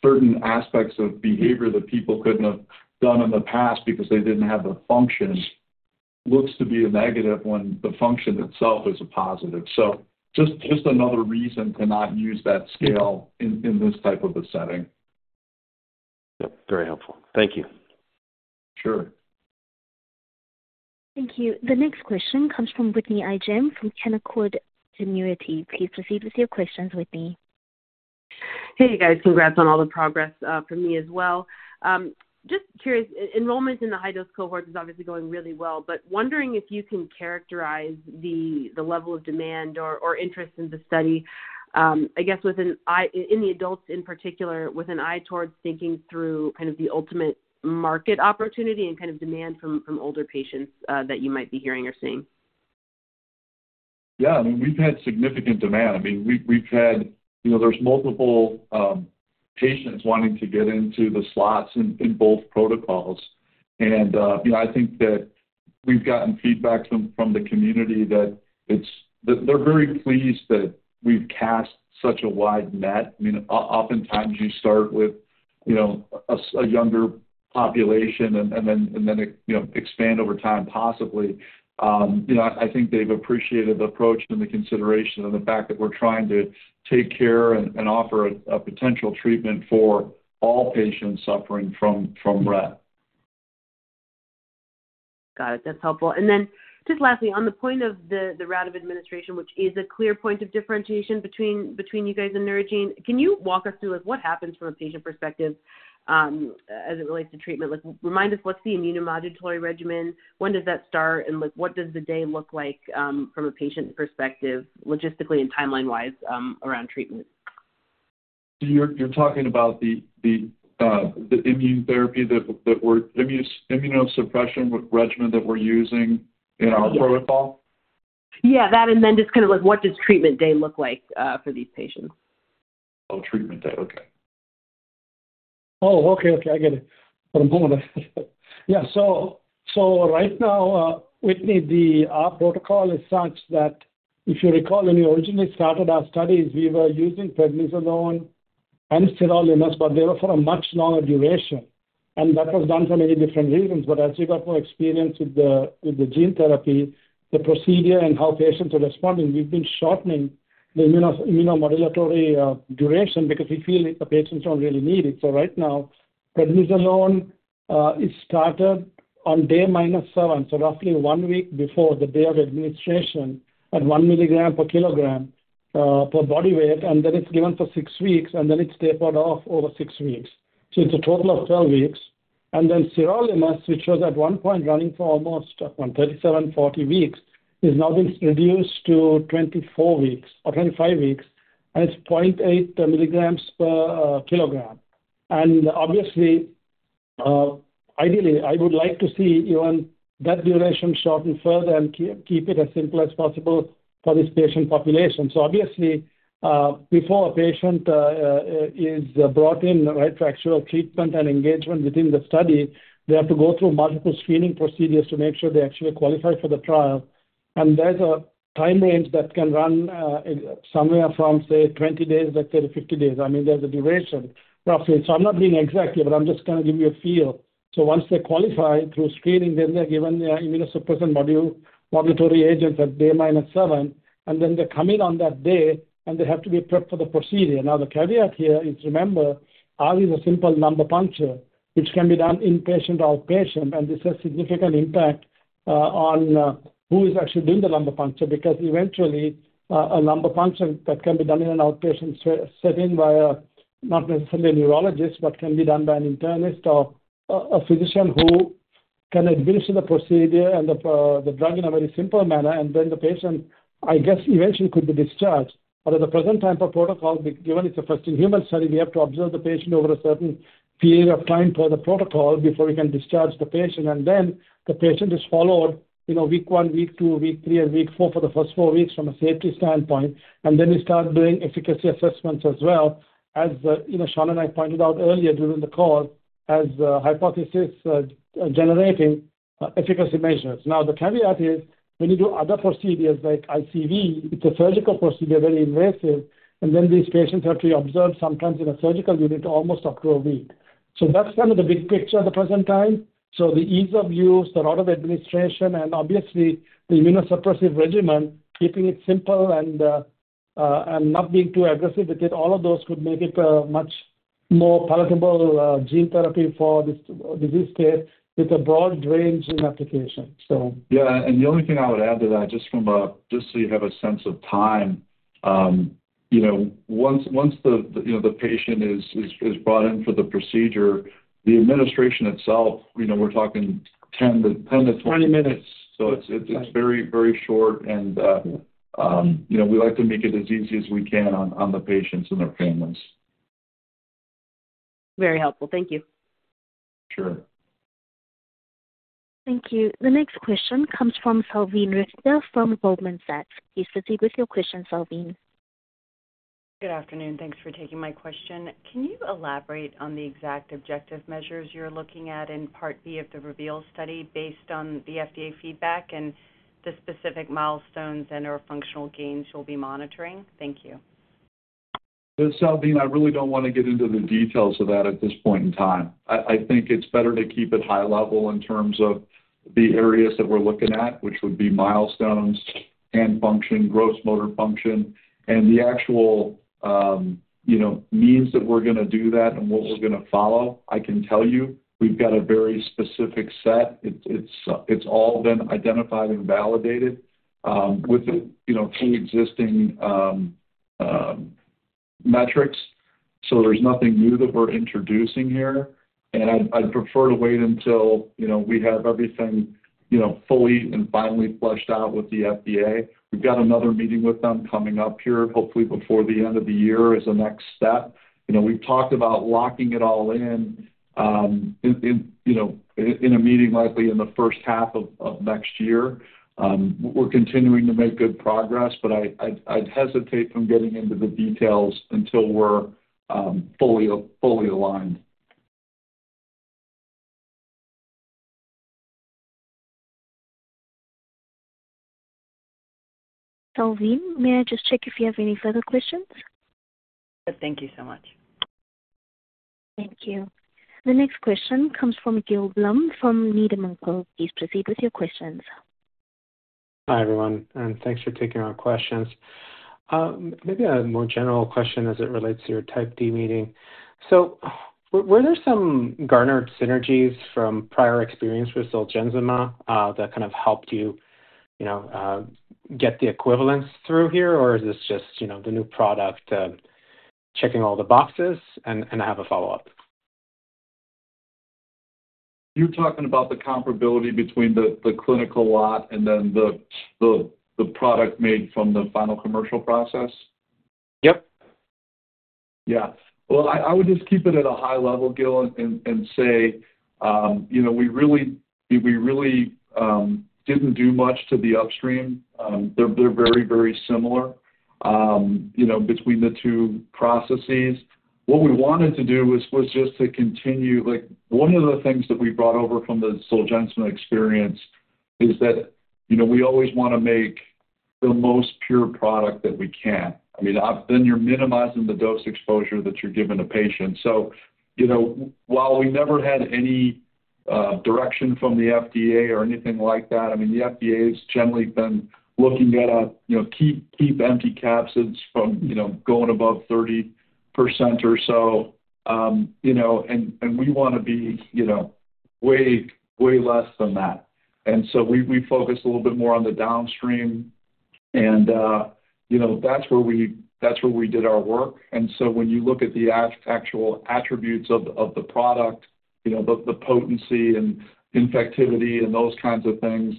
S3: certain aspects of behavior that people couldn't have done in the past because they didn't have the function looks to be a negative when the function itself is a positive. So just another reason to not use that scale in this type of a setting.
S7: Yep. Very helpful. Thank you.
S3: Sure.
S1: Thank you. The next question comes from Whitney Ijem from Canaccord Genuity. Please proceed with your questions, Whitney.
S8: Hey, guys. Congrats on all the progress from me as well. Just curious, enrollment in the high-dose cohort is obviously going really well, but wondering if you can characterize the level of demand or interest in the study, I guess, in the adults in particular, with an eye towards thinking through kind of the ultimate market opportunity and kind of demand from older patients that you might be hearing or seeing.
S3: Yeah. I mean, we've had significant demand. I mean, we've had there's multiple patients wanting to get into the slots in both protocols. And I think that we've gotten feedback from the community that they're very pleased that we've cast such a wide net. I mean, oftentimes, you start with a younger population and then expand over time, possibly. I think they've appreciated the approach and the consideration and the fact that we're trying to take care and offer a potential treatment for all patients suffering from Rett.
S8: Got it. That's helpful. And then just lastly, on the point of the route of administration, which is a clear point of differentiation between you guys and Neurogene, can you walk us through what happens from a patient perspective as it relates to treatment? Remind us, what's the immunomodulatory regimen? When does that start? And what does the day look like from a patient perspective, logistically and timeline-wise around treatment?
S3: You're talking about the immune therapy that we're immunosuppression regimen that we're using in our protocol?
S8: Yeah. That and then just kind of what does treatment day look like for these patients?
S4: So right now, Whitney, our protocol is such that if you recall, when we originally started our studies, we were using prednisolone and steroids, but they were for a much longer duration. That was done for many different reasons. But as we got more experience with the gene therapy, the procedure, and how patients are responding, we've been shortening the immunomodulatory duration because we feel the patients don't really need it. Right now, Prednisolone is started on day minus seven, so roughly one week before the day of administration at one milligram per kilogram per body weight. Then it's given for six weeks, and then it's tapered off over six weeks. So it's a total of 12 weeks. And then steroids, which was at one point running for almost 37, 40 weeks, is now being reduced to 24 weeks or 25 weeks, and it's 0.8 milligrams per kilogram. And obviously, ideally, I would like to see even that duration shorten further and keep it as simple as possible for this patient population. So obviously, before a patient is brought in, right, for actual treatment and engagement within the study, they have to go through multiple screening procedures to make sure they actually qualify for the trial. And there's a time range that can run somewhere from, say, 20 days, let's say, to 50 days. I mean, there's a duration roughly. So I'm not being exact, but I'm just going to give you a feel. So once they qualify through screening, then they're given their immunosuppressant modulatory agents at day minus seven, and then they come in on that day, and they have to be prepped for the procedure. Now, the caveat here is, remember, it is a simple lumbar puncture, which can be done inpatient or outpatient. This has significant impact on who is actually doing the lumbar puncture because eventually, a lumbar puncture that can be done in an outpatient setting by not necessarily a neurologist, but can be done by an internist or a physician who can administer the procedure and the drug in a very simple manner. And then the patient, I guess, eventually could be discharged. But at the present time, per protocol, given it's a first-in-human study, we have to observe the patient over a certain period of time per the protocol before we can discharge the patient. And then the patient is followed week one, week two, week three, and week four for the first four weeks from a safety standpoint. And then we start doing efficacy assessments as well, as Sean and I pointed out earlier during the call, as hypothesis generating efficacy measures. Now, the caveat is when you do other procedures like ICV, it's a surgical procedure, very invasive. And then these patients have to be observed sometimes in a surgical unit almost up to a week. So that's kind of the big picture at the present time. So the ease of use, the route of administration, and obviously, the immunosuppressive regimen, keeping it simple and not being too aggressive with it, all of those could make it a much more palatable gene therapy for this disease state with a broad range in application, so.
S3: Yeah. And the only thing I would add to that, just so you have a sense of time, once the patient is brought in for the procedure, the administration itself, we're talking 10 to 20 minutes. So it's very, very short. And we like to make it as easy as we can on the patients and their families.
S8: Very helpful. Thank you.
S3: Sure.
S1: Thank you. The next question comes from Salveen Richter from Goldman Sachs. Please proceed with your question, Salveen.
S9: Good afternoon. Thanks for taking my question. Can you elaborate on the exact objective measures you're looking at in part B of the REVEAL study based on the FDA feedback and the specific milestones and/or functional gains you'll be monitoring? Thank you.
S3: Salveen, I really don't want to get into the details of that at this point in time. I think it's better to keep it high level in terms of the areas that we're looking at, which would be milestones and function, gross motor function, and the actual means that we're going to do that and what we're going to follow. I can tell you we've got a very specific set. It's all been identified and validated with the pre-existing metrics. So there's nothing new that we're introducing here. And I'd prefer to wait until we have everything fully and finally flushed out with the FDA. We've got another meeting with them coming up here, hopefully before the end of the year as a next step. We've talked about locking it all in in a meeting likely in the first half of next year. We're continuing to make good progress, but I'd hesitate from getting into the details until we're fully aligned.
S1: Salveen, may I just check if you have any further questions?
S9: Thank you so much.
S1: Thank you. The next question comes from Gil Blum from Needham and Company. Please proceed with your questions.
S10: Hi, everyone, and thanks for taking our questions. Maybe a more general question as it relates to your Type D meeting. So were there some garner synergies from prior experience with Zolgensma that kind of helped you get the equivalence through here, or is this just the new product checking all the boxes and have a follow-up?
S3: You're talking about the comparability between the clinical lot and then the product made from the final commercial process? Yep. Yeah. Well, I would just keep it at a high level, Gil, and say we really didn't do much to the upstream. They're very, very similar between the two processes. What we wanted to do was just to continue one of the things that we brought over from the Zolgensma experience is that we always want to make the most pure product that we can. I mean, then you're minimizing the dose exposure that you're giving a patient. So while we never had any direction from the FDA or anything like that, I mean, the FDA has generally been looking at keeping empty capsids from going above 30% or so. And we want to be way, way less than that. And so we focus a little bit more on the downstream. And that's where we did our work. And so when you look at the actual attributes of the product, the potency and infectivity and those kinds of things,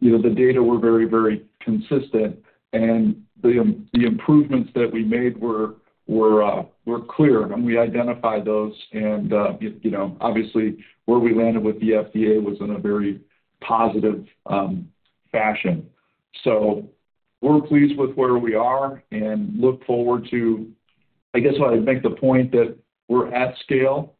S3: the data were very, very consistent. And the improvements that we made were clear. And we identified those. And obviously, where we landed with the FDA was in a very positive fashion. So we're pleased with where we are and look forward to, I guess, I'd make the point that we're at scale.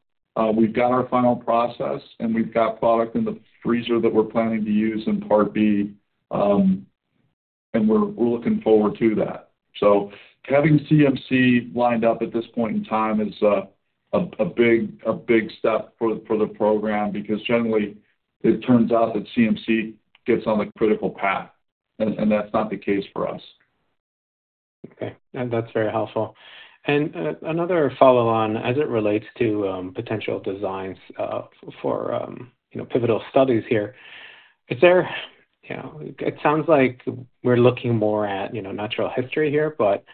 S3: We've got our final process, and we've got product in the freezer that we're planning to use in part B. And we're looking forward to that. So having CMC lined up at this point in time is a big step for the program because generally, it turns out that CMC gets on the critical path. And that's not the case for us.
S10: Okay. And that's very helpful. And another follow-on as it relates to potential designs for pivotal studies here. It sounds like we're looking more at natural history here, but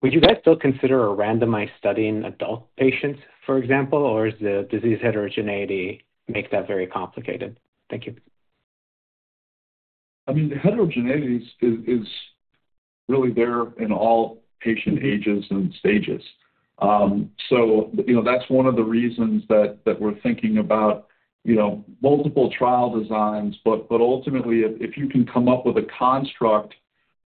S10: would you guys still consider a randomized study in adult patients, for example, or does the disease heterogeneity make that very complicated? Thank you.
S3: I mean, the heterogeneity is really there in all patient ages and stages. So that's one of the reasons that we're thinking about multiple trial designs. But ultimately, if you can come up with a construct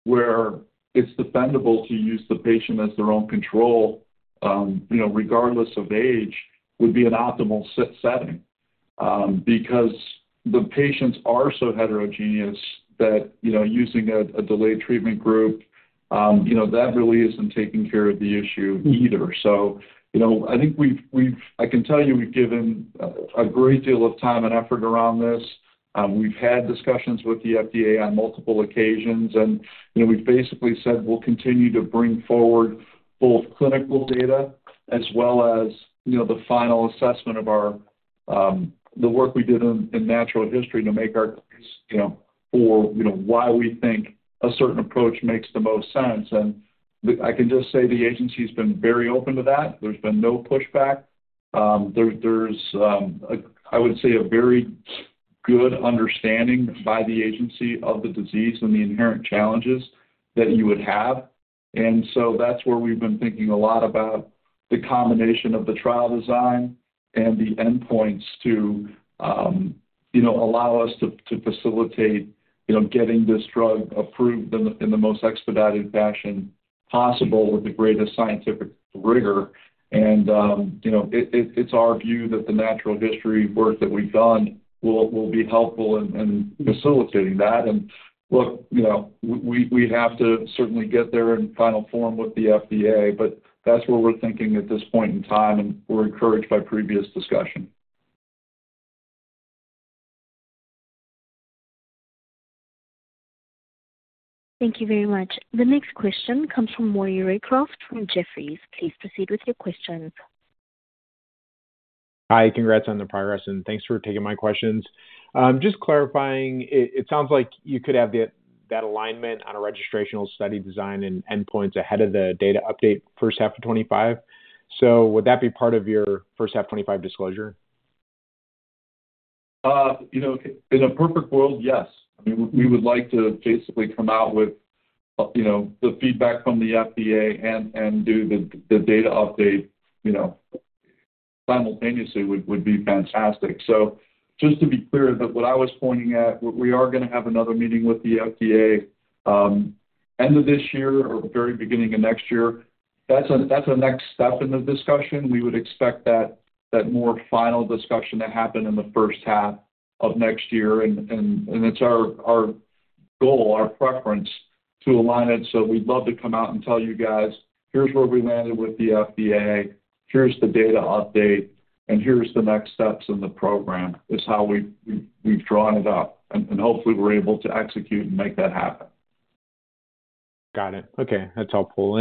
S3: where it's defendable to use the patient as their own control, regardless of age, would be an optimal setting because the patients are so heterogeneous that using a delayed treatment group, that really isn't taking care of the issue either. So I think I can tell you we've given a great deal of time and effort around this. We've had discussions with the FDA on multiple occasions. And we've basically said we'll continue to bring forward both clinical data as well as the final assessment of the work we did in natural history to make our case for why we think a certain approach makes the most sense. And I can just say the agency has been very open to that. There's been no pushback. There's, I would say, a very good understanding by the agency of the disease and the inherent challenges that you would have. And so that's where we've been thinking a lot about the combination of the trial design and the endpoints to allow us to facilitate getting this drug approved in the most expedited fashion possible with the greatest scientific rigor. And it's our view that the natural history work that we've done will be helpful in facilitating that. And look, we have to certainly get there in final form with the FDA, but that's where we're thinking at this point in time, and we're encouraged by previous discussion.
S1: Thank you very much. The next question comes from Maury Raycroft from Jefferies. Please proceed with your questions.
S11: Hi. Congrats on the progress, and thanks for taking my questions. Just clarifying, it sounds like you could have that alignment on a registrational study design and endpoints ahead of the data update first half of 2025. So would that be part of your first half 2025 disclosure?
S3: In a perfect world, yes. I mean, we would like to basically come out with the feedback from the FDA and do the data update simultaneously would be fantastic. So just to be clear, what I was pointing at, we are going to have another meeting with the FDA end of this year or very beginning of next year. That's a next step in the discussion. We would expect that more final discussion to happen in the first half of next year. And it's our goal, our preference to align it. So we'd love to come out and tell you guys, "Here's where we landed with the FDA." "Here's the data update, and here's the next steps in the program," is how we've drawn it up. Hopefully, we're able to execute and make that happen.
S11: Got it. Okay. That's helpful.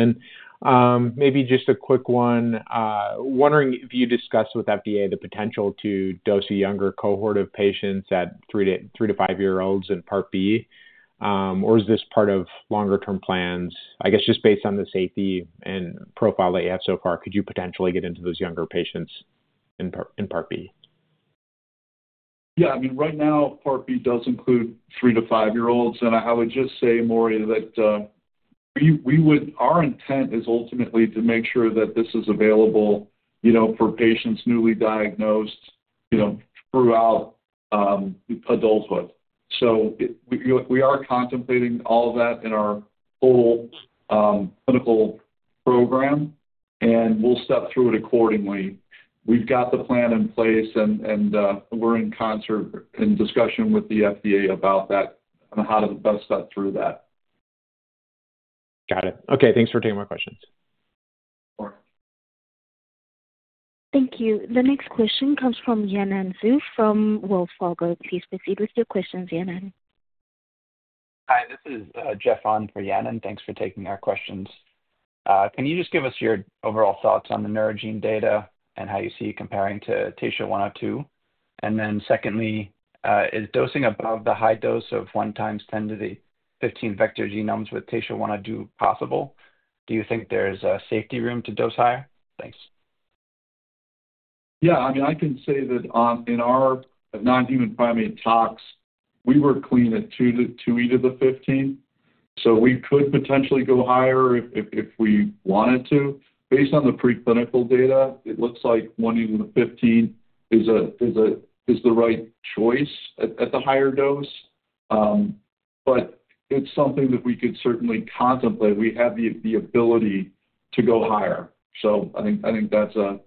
S11: Maybe just a quick one. Wondering if you discussed with FDA the potential to dose a younger cohort of patients at three- to five-year-olds in part B, or is this part of longer-term plans? I guess just based on the safety and profile that you have so far, could you potentially get into those younger patients in part B?
S3: Yeah. I mean, right now, part B does include three- to five-year-olds. I would just say, Maury, that our intent is ultimately to make sure that this is available for patients newly diagnosed throughout adulthood. We are contemplating all of that in our whole clinical program, and we'll step through it accordingly. We've got the plan in place, and we're in discussion with the FDA about that and how to best step through that.
S11: Got it. Okay. Thanks for taking my questions.
S1: Thank you. The next question comes from Yanan Zhu from Wells Fargo. Please proceed with your questions, Yanan.
S12: Hi. This is Jeff on for Yanan. Thanks for taking our questions. Can you just give us your overall thoughts on the Neurogene data and how you see comparing to TSHA-102? And then secondly, is dosing above the high dose of one times 10 to the 15 vector genomes with TSHA-102 possible? Do you think there's a safety room to dose higher? Thanks.
S3: Yeah. I mean, I can say that in our nonhuman primate tox, we were clean at two times 10 to the 15. So we could potentially go higher if we wanted to. Based on the preclinical data, it looks like 1e15 is the right choice at the higher dose. But it's something that we could certainly contemplate. We have the ability to go higher. So I think that's a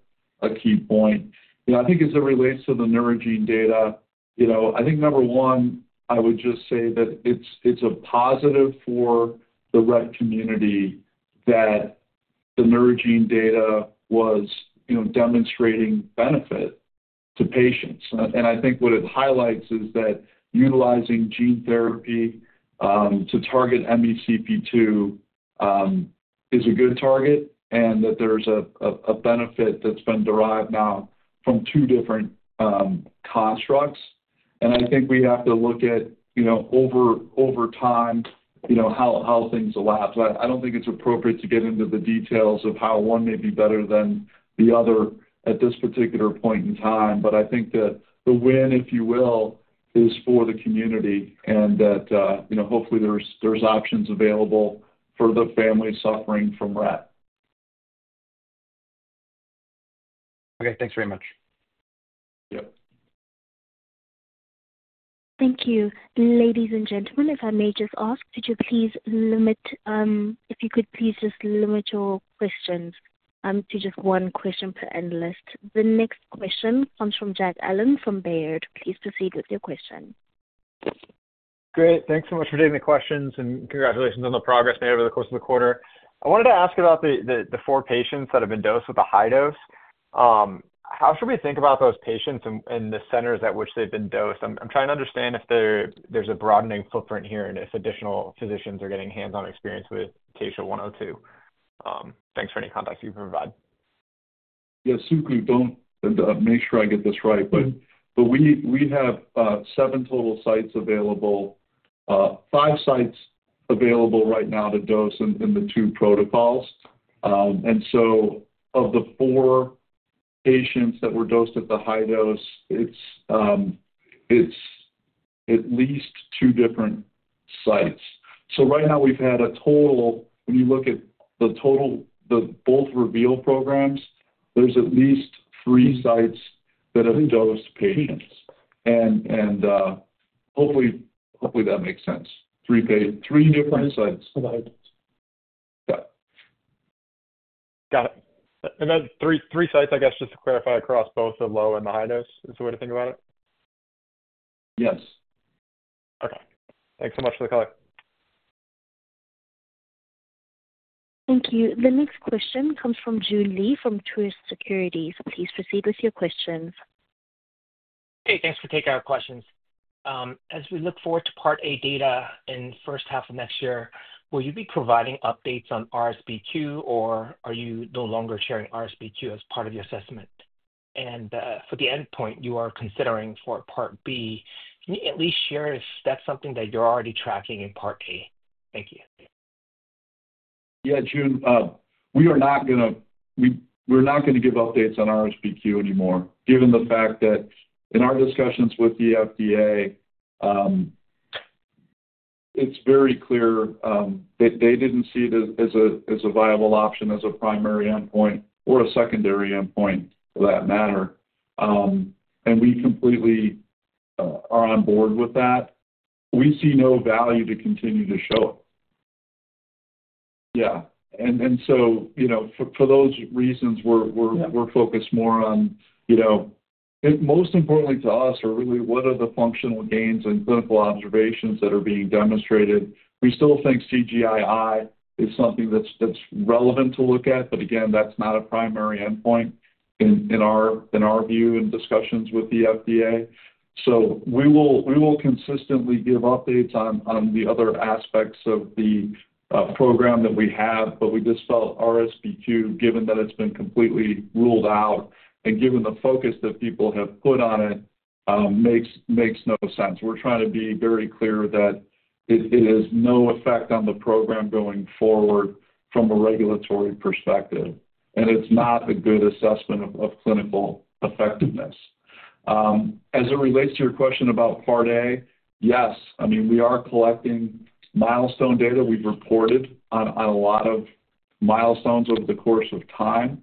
S3: key point. I think as it relates to the Neurogene data, I think number one, I would just say that it's a positive for the Rett community that the Neurogene data was demonstrating benefit to patients. And I think what it highlights is that utilizing gene therapy to target MECP2 is a good target and that there's a benefit that's been derived now from two different constructs. And I think we have to look at over time how things evolve. I don't think it's appropriate to get into the details of how one may be better than the other at this particular point in time. But I think the win, if you will, is for the community and that hopefully there's options available for the family suffering from Rett.
S12: Okay. Thanks very much.
S3: Yep.
S1: Thank you. Ladies and gentlemen, if I may just ask, could you please limit your questions to just one question per analyst. The next question comes from Jack Allen from Baird. Please proceed with your question.
S13: Great. Thanks so much for taking the questions, and congratulations on the progress made over the course of the quarter. I wanted to ask about the four patients that have been dosed with the high dose. How should we think about those patients and the centers at which they've been dosed? I'm trying to understand if there's a broadening footprint here and if additional physicians are getting hands-on experience with TSHA-102. Thanks for any context you can provide.
S3: Yes. So listen, and make sure I get this right. But we have seven total sites available, five sites available right now to dose in the two protocols. And so of the four patients that were dosed at the high dose, it's at least two different sites. So right now, we've had a total when you look at both REVEAL programs, there's at least three sites that have dosed patients. And hopefully, that makes sense. Three different sites.
S13: Yeah. Got it.
S3: And then three sites, I guess, just to clarify across both the low and the high dose is the way to think about it?
S13: Yes. Okay. Thanks so much for the call.
S1: Thank you. The next question comes from Joon Lee from Truist Securities. Please proceed with your questions.
S14: Hey, thanks for taking our questions. As we look forward to part A data in the first half of next year, will you be providing updates on RSBQ, or are you no longer sharing RSBQ as part of your assessment? And for the endpoint you are considering for part B, can you at least share if that's something that you're already tracking in part A? Thank you.
S3: Yeah, Joon, we are not going to give updates on RSBQ anymore given the fact that in our discussions with the FDA, it's very clear that they didn't see it as a viable option as a primary endpoint or a secondary endpoint for that matter. We completely are on board with that. We see no value to continue to show it. Yeah. And so, for those reasons, we're focused more on, most importantly to us, really what are the functional gains and clinical observations that are being demonstrated. We still think CGI-I is something that's relevant to look at. But again, that's not a primary endpoint in our view and discussions with the FDA. So we will consistently give updates on the other aspects of the program that we have. But we just felt RSBQ, given that it's been completely ruled out and given the focus that people have put on it, makes no sense. We're trying to be very clear that it has no effect on the program going forward from a regulatory perspective. And it's not a good assessment of clinical effectiveness. As it relates to your question about part A, yes. I mean, we are collecting milestone data. We've reported on a lot of milestones over the course of time.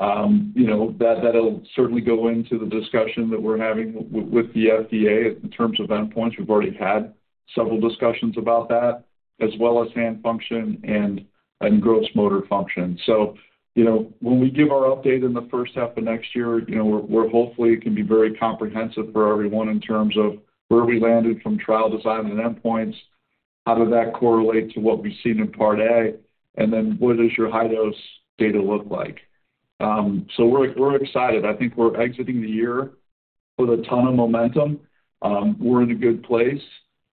S3: That'll certainly go into the discussion that we're having with the FDA in terms of endpoints. We've already had several discussions about that, as well as hand function and gross motor function. So when we give our update in the first half of next year, hopefully, it can be very comprehensive for everyone in terms of where we landed from trial design and endpoints, how did that correlate to what we've seen in part A, and then what does your high-dose data look like? So we're excited. I think we're exiting the year with a ton of momentum. We're in a good place.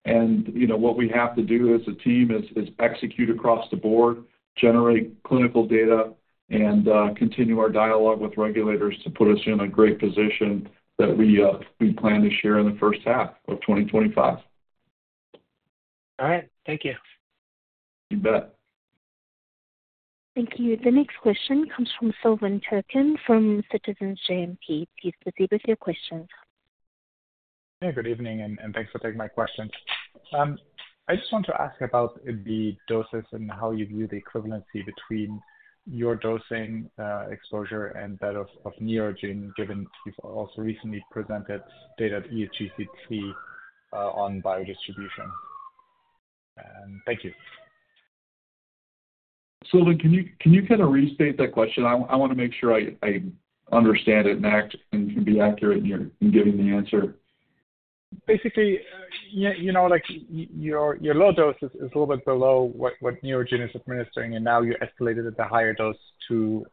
S3: And what we have to do as a team is execute across the board, generate clinical data, and continue our dialogue with regulators to put us in a great position that we plan to share in the first half of 2025.
S14: All right. Thank you.
S3: You bet.
S1: Thank you. The next question comes from Silvan Tuerkcan from Citizens JMP. Please proceed with your questions.
S15: Hey, good evening, and thanks for taking my question. I just want to ask about the doses and how you view the equivalency between your dosing exposure and that of Neurogene, given you've also recently presented data at ESGCT on biodistribution. And thank you.
S3: Silvan, can you kind of restate that question? I want to make sure I understand it and can be accurate in giving the answer.
S15: Basically, your low dose is a little bit below what Neurogene is administering, and now you escalated at the higher dose to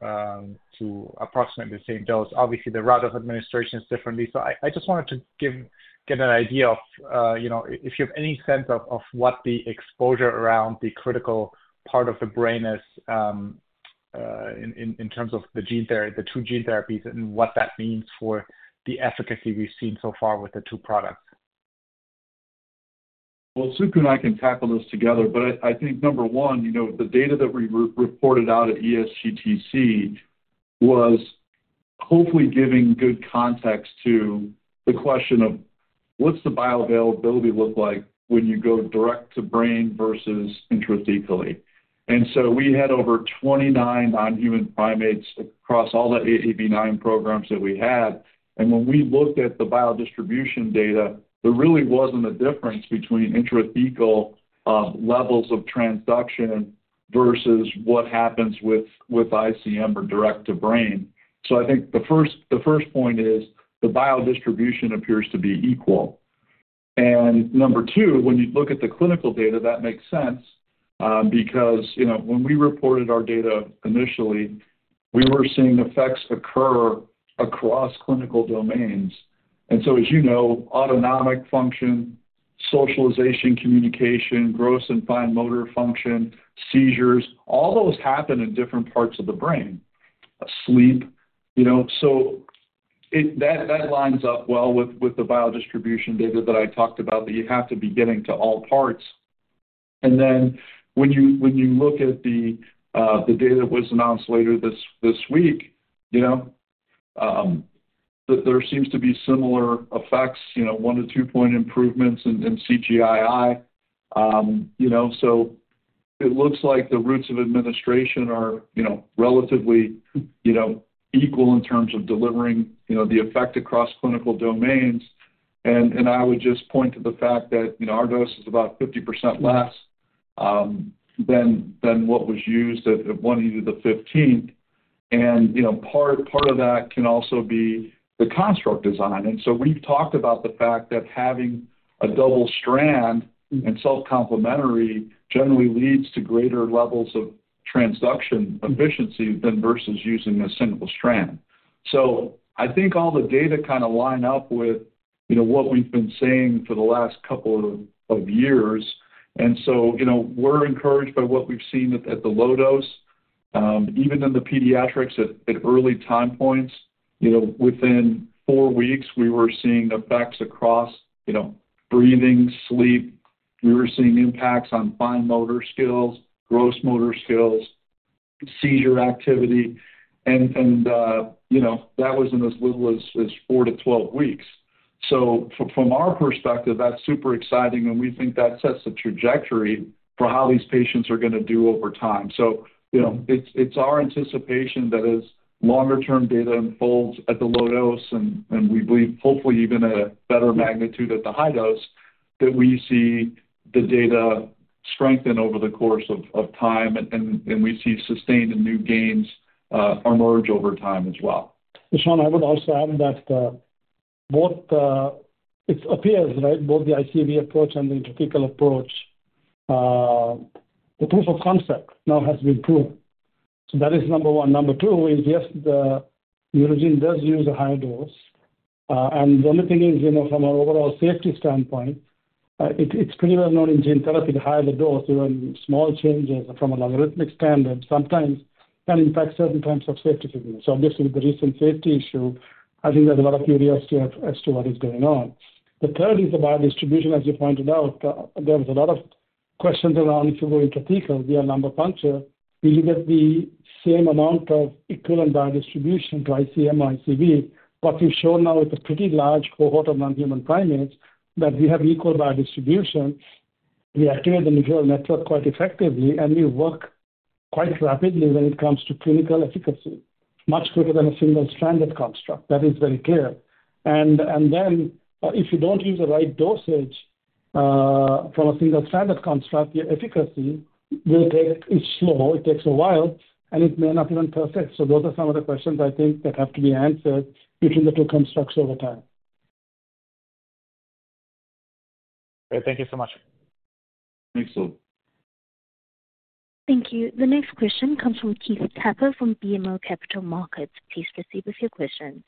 S15: approximately the same dose. Obviously, the route of administration is different. So I just wanted to get an idea of if you have any sense of what the exposure around the critical part of the brain is in terms of the two gene therapies and what that means for the efficacy we've seen so far with the two products.
S3: Su and I can tackle this together. I think number one, the data that we reported out at ESGCT was hopefully giving good context to the question of what's the bioavailability look like when you go direct to brain versus intrathecally. So we had over 29 nonhuman primates across all the AAV9 programs that we had. And when we looked at the biodistribution data, there really wasn't a difference between intrathecal levels of transduction versus what happens with ICM or direct to brain. So I think the first point is the biodistribution appears to be equal. And number two, when you look at the clinical data, that makes sense because when we reported our data initially, we were seeing effects occur across clinical domains. And so, as you know, autonomic function, socialization, communication, gross and fine motor function, seizures, all those happen in different parts of the brain, sleep. So that lines up well with the biodistribution data that I talked about that you have to be getting to all parts. And then when you look at the data that was announced later this week, there seems to be similar effects, one- to two-point improvements in CGI-I. So it looks like the routes of administration are relatively equal in terms of delivering the effect across clinical domains. And I would just point to the fact that our dose is about 50% less than what was used at 1e15. And part of that can also be the construct design. And so we've talked about the fact that having a double strand and self-complementary generally leads to greater levels of transduction efficiency versus using a single strand. So I think all the data kind of line up with what we've been saying for the last couple of years. And so we're encouraged by what we've seen at the low dose. Even in the pediatrics at early time points, within four weeks, we were seeing effects across breathing, sleep. We were seeing impacts on fine motor skills, gross motor skills, seizure activity. That was in as little as four to 12 weeks. From our perspective, that's super exciting. We think that sets the trajectory for how these patients are going to do over time. It's our anticipation that as longer-term data unfolds at the low dose and we believe hopefully even at a better magnitude at the high dose, that we see the data strengthen over the course of time and we see sustained and new gains emerge over time as well.
S4: Sean, I would also add that both it appears, right, both the ICV approach and the intrathecal approach, the proof of concept now has been proven. That is number one. Number two is, yes, Neurogene does use a high dose. The only thing is, from an overall safety standpoint, it's pretty well known in gene therapy to higher the dose, even small changes from a logarithmic standard sometimes can impact certain types of safety figures. So obviously, with the recent safety issue, I think there's a lot of curiosity as to what is going on. The third is the biodistribution, as you pointed out. There was a lot of questions around if you go intrathecal via lumbar puncture, will you get the same amount of equivalent biodistribution to ICM or ICV? What we've shown now with a pretty large cohort of nonhuman primates that we have equal biodistribution, we activate the neural network quite effectively, and we work quite rapidly when it comes to clinical efficacy, much quicker than a single-stranded construct. That is very clear. And then if you don't use the right dosage from a single-stranded construct, your efficacy will take is slow. It takes a while, and it may not even be perfect. So those are some of the questions I think that have to be answered between the two constructs over time.
S15: Great. Thank you so much.
S3: Thanks, Silvan.
S1: Thank you. The next question comes from Keith Tapper from BMO Capital Markets. Please proceed with your questions.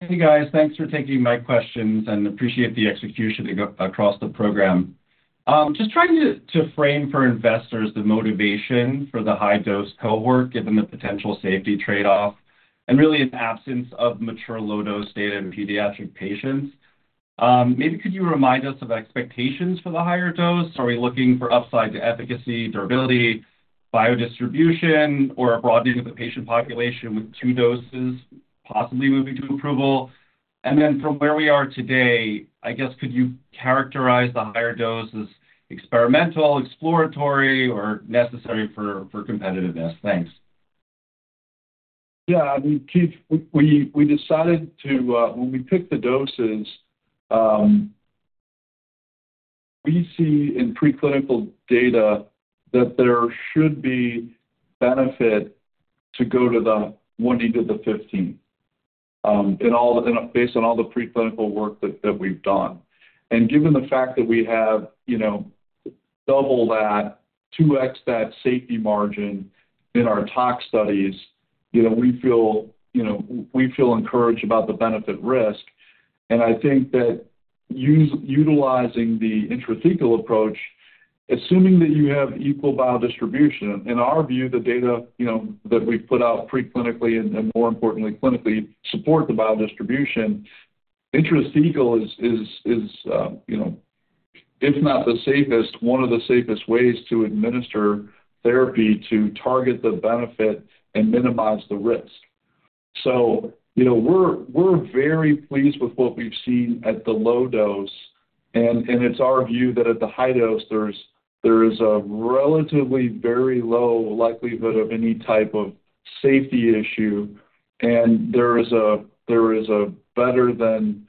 S16: Hey, guys. Thanks for taking my questions and appreciate the execution across the program. Just trying to frame for investors the motivation for the high-dose cohort given the potential safety trade-off and really an absence of mature low-dose data in pediatric patients. Maybe could you remind us of expectations for the higher dose? Are we looking for upside to efficacy, durability, biodistribution, or a broadening of the patient population with two doses possibly moving to approval? And then from where we are today, I guess, could you characterize the higher dose as experimental, exploratory, or necessary for competitiveness? Thanks.
S3: Yeah. I mean, Keith, we decided to when we picked the doses, we see in preclinical data that there should be benefit to go to the 1e14 and 1e15 based on all the preclinical work that we've done. And given the fact that we have double that, 2x that safety margin in our tox studies, we feel encouraged about the benefit-risk. And I think that utilizing the intrathecal approach, assuming that you have equal biodistribution, in our view, the data that we've put out preclinically and, more importantly, clinically support the biodistribution. Intrathecal is, if not the safest, one of the safest ways to administer therapy to target the benefit and minimize the risk. We're very pleased with what we've seen at the low dose. It's our view that at the high dose, there is a relatively very low likelihood of any type of safety issue. There is a better than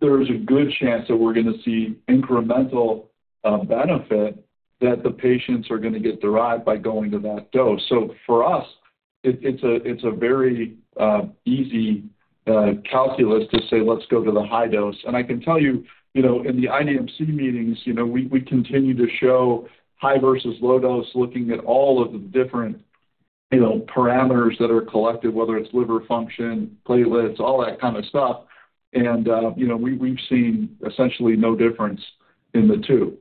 S3: there is a good chance that we're going to see incremental benefit that the patients are going to get derived by going to that dose. For us, it's a very easy calculus to say, "Let's go to the high dose." I can tell you, in the IDMC meetings, we continue to show high versus low dose looking at all of the different parameters that are collected, whether it's liver function, platelets, all that kind of stuff. We've seen essentially no difference in the two.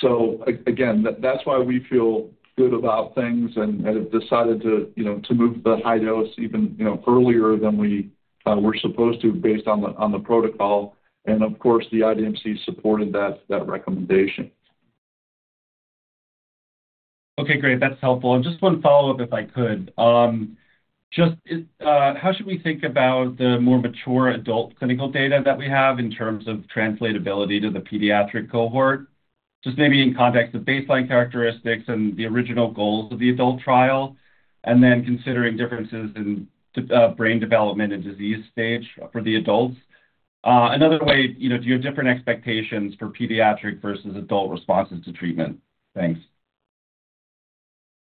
S3: So again, that's why we feel good about things and have decided to move the high dose even earlier than we were supposed to based on the protocol. And of course, the IDMC supported that recommendation.
S16: Okay. Great. That's helpful. Just one follow-up, if I could. Just how should we think about the more mature adult clinical data that we have in terms of translatability to the pediatric cohort? Just maybe in context of baseline characteristics and the original goals of the adult trial, and then considering differences in brain development and disease stage for the adults. Another way, do you have different expectations for pediatric versus adult responses to treatment? Thanks.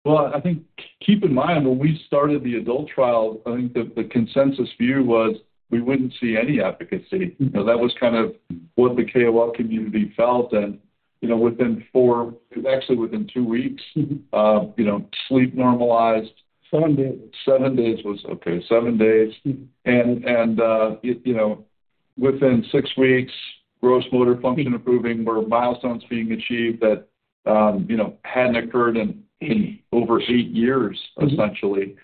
S3: Well, I think keep in mind when we started the adult trial, I think the consensus view was we wouldn't see any efficacy. That was kind of what the KOL community felt. Within four, actually within two weeks, sleep normalized. Seven days was okay. Within six weeks, gross motor function improving were milestones being achieved that hadn't occurred in over eight years, essentially.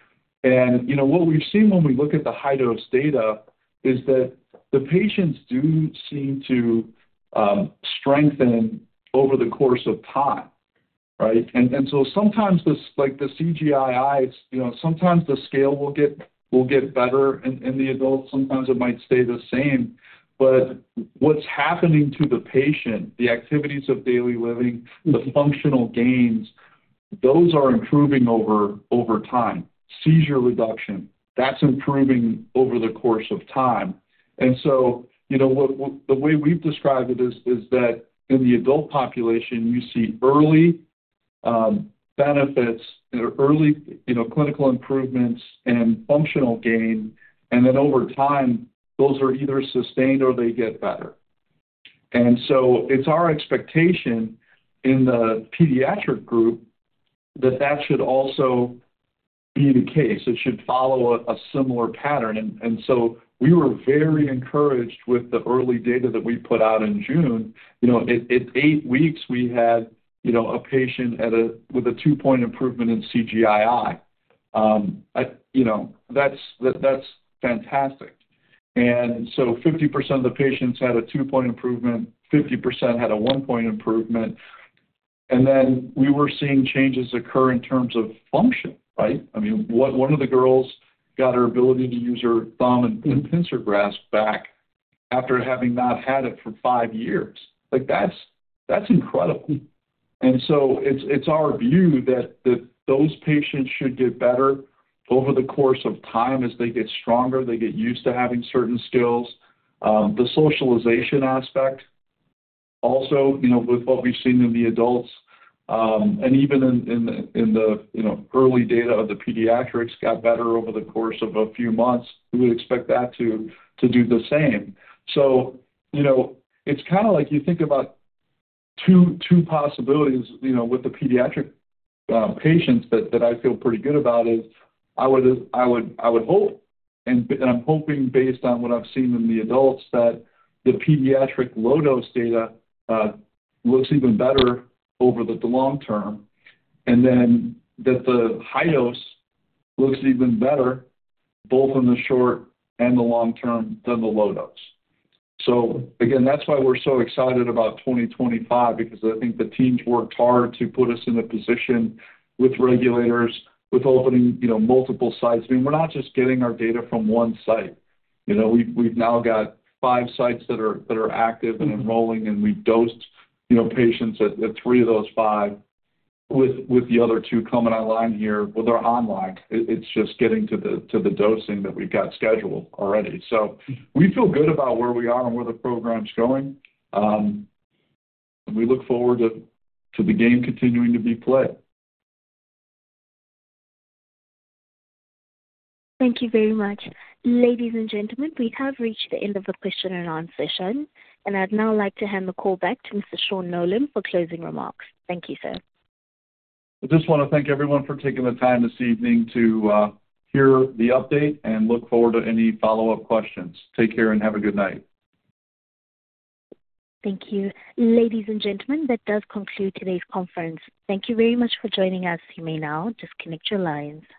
S3: What we've seen when we look at the high-dose data is that the patients do seem to strengthen over the course of time, right? Sometimes the CGI-I, sometimes the scale will get better in the adults. Sometimes it might stay the same. What's happening to the patient, the activities of daily living, the functional gains, those are improving over time. Seizure reduction, that's improving over the course of time. The way we've described it is that in the adult population, you see early benefits, early clinical improvements, and functional gain. Over time, those are either sustained or they get better. And so it's our expectation in the pediatric group that that should also be the case. It should follow a similar pattern. And so we were very encouraged with the early data that we put out in June. At eight weeks, we had a patient with a two-point improvement in CGI-I. That's fantastic. And so 50% of the patients had a two-point improvement, 50% had a one-point improvement. And then we were seeing changes occur in terms of function, right? I mean, one of the girls got her ability to use her thumb and pincer grasp back after having not had it for five years. That's incredible. And so it's our view that those patients should get better over the course of time as they get stronger, they get used to having certain skills. The socialization aspect also with what we've seen in the adults. Even in the early pediatric data, it got better over the course of a few months. We would expect that to do the same. So it's kind of like you think about two possibilities with the pediatric patients that I feel pretty good about: I would hope, and I'm hoping based on what I've seen in the adults, that the pediatric low-dose data looks even better over the long term, and then that the high dose looks even better both in the short and the long term than the low dose. So again, that's why we're so excited about 2025 because I think the teams worked hard to put us in a position with regulators, with opening multiple sites. I mean, we're not just getting our data from one site. We've now got five sites that are active and enrolling, and we've dosed patients at three of those five with the other two coming online here. Well, they're online. It's just getting to the dosing that we've got scheduled already. So we feel good about where we are and where the program's going. We look forward to the game continuing to be played.
S1: Thank you very much. Ladies and gentlemen, we have reached the end of the question and answer session, and I'd now like to hand the call back to Mr. Sean Nolan for closing remarks. Thank you, sir.
S3: I just want to thank everyone for taking the time this evening to hear the update and look forward to any follow-up questions. Take care and have a good night.
S1: Thank you. Ladies and gentlemen, that does conclude today's conference. Thank you very much for joining us. You may now disconnect your lines.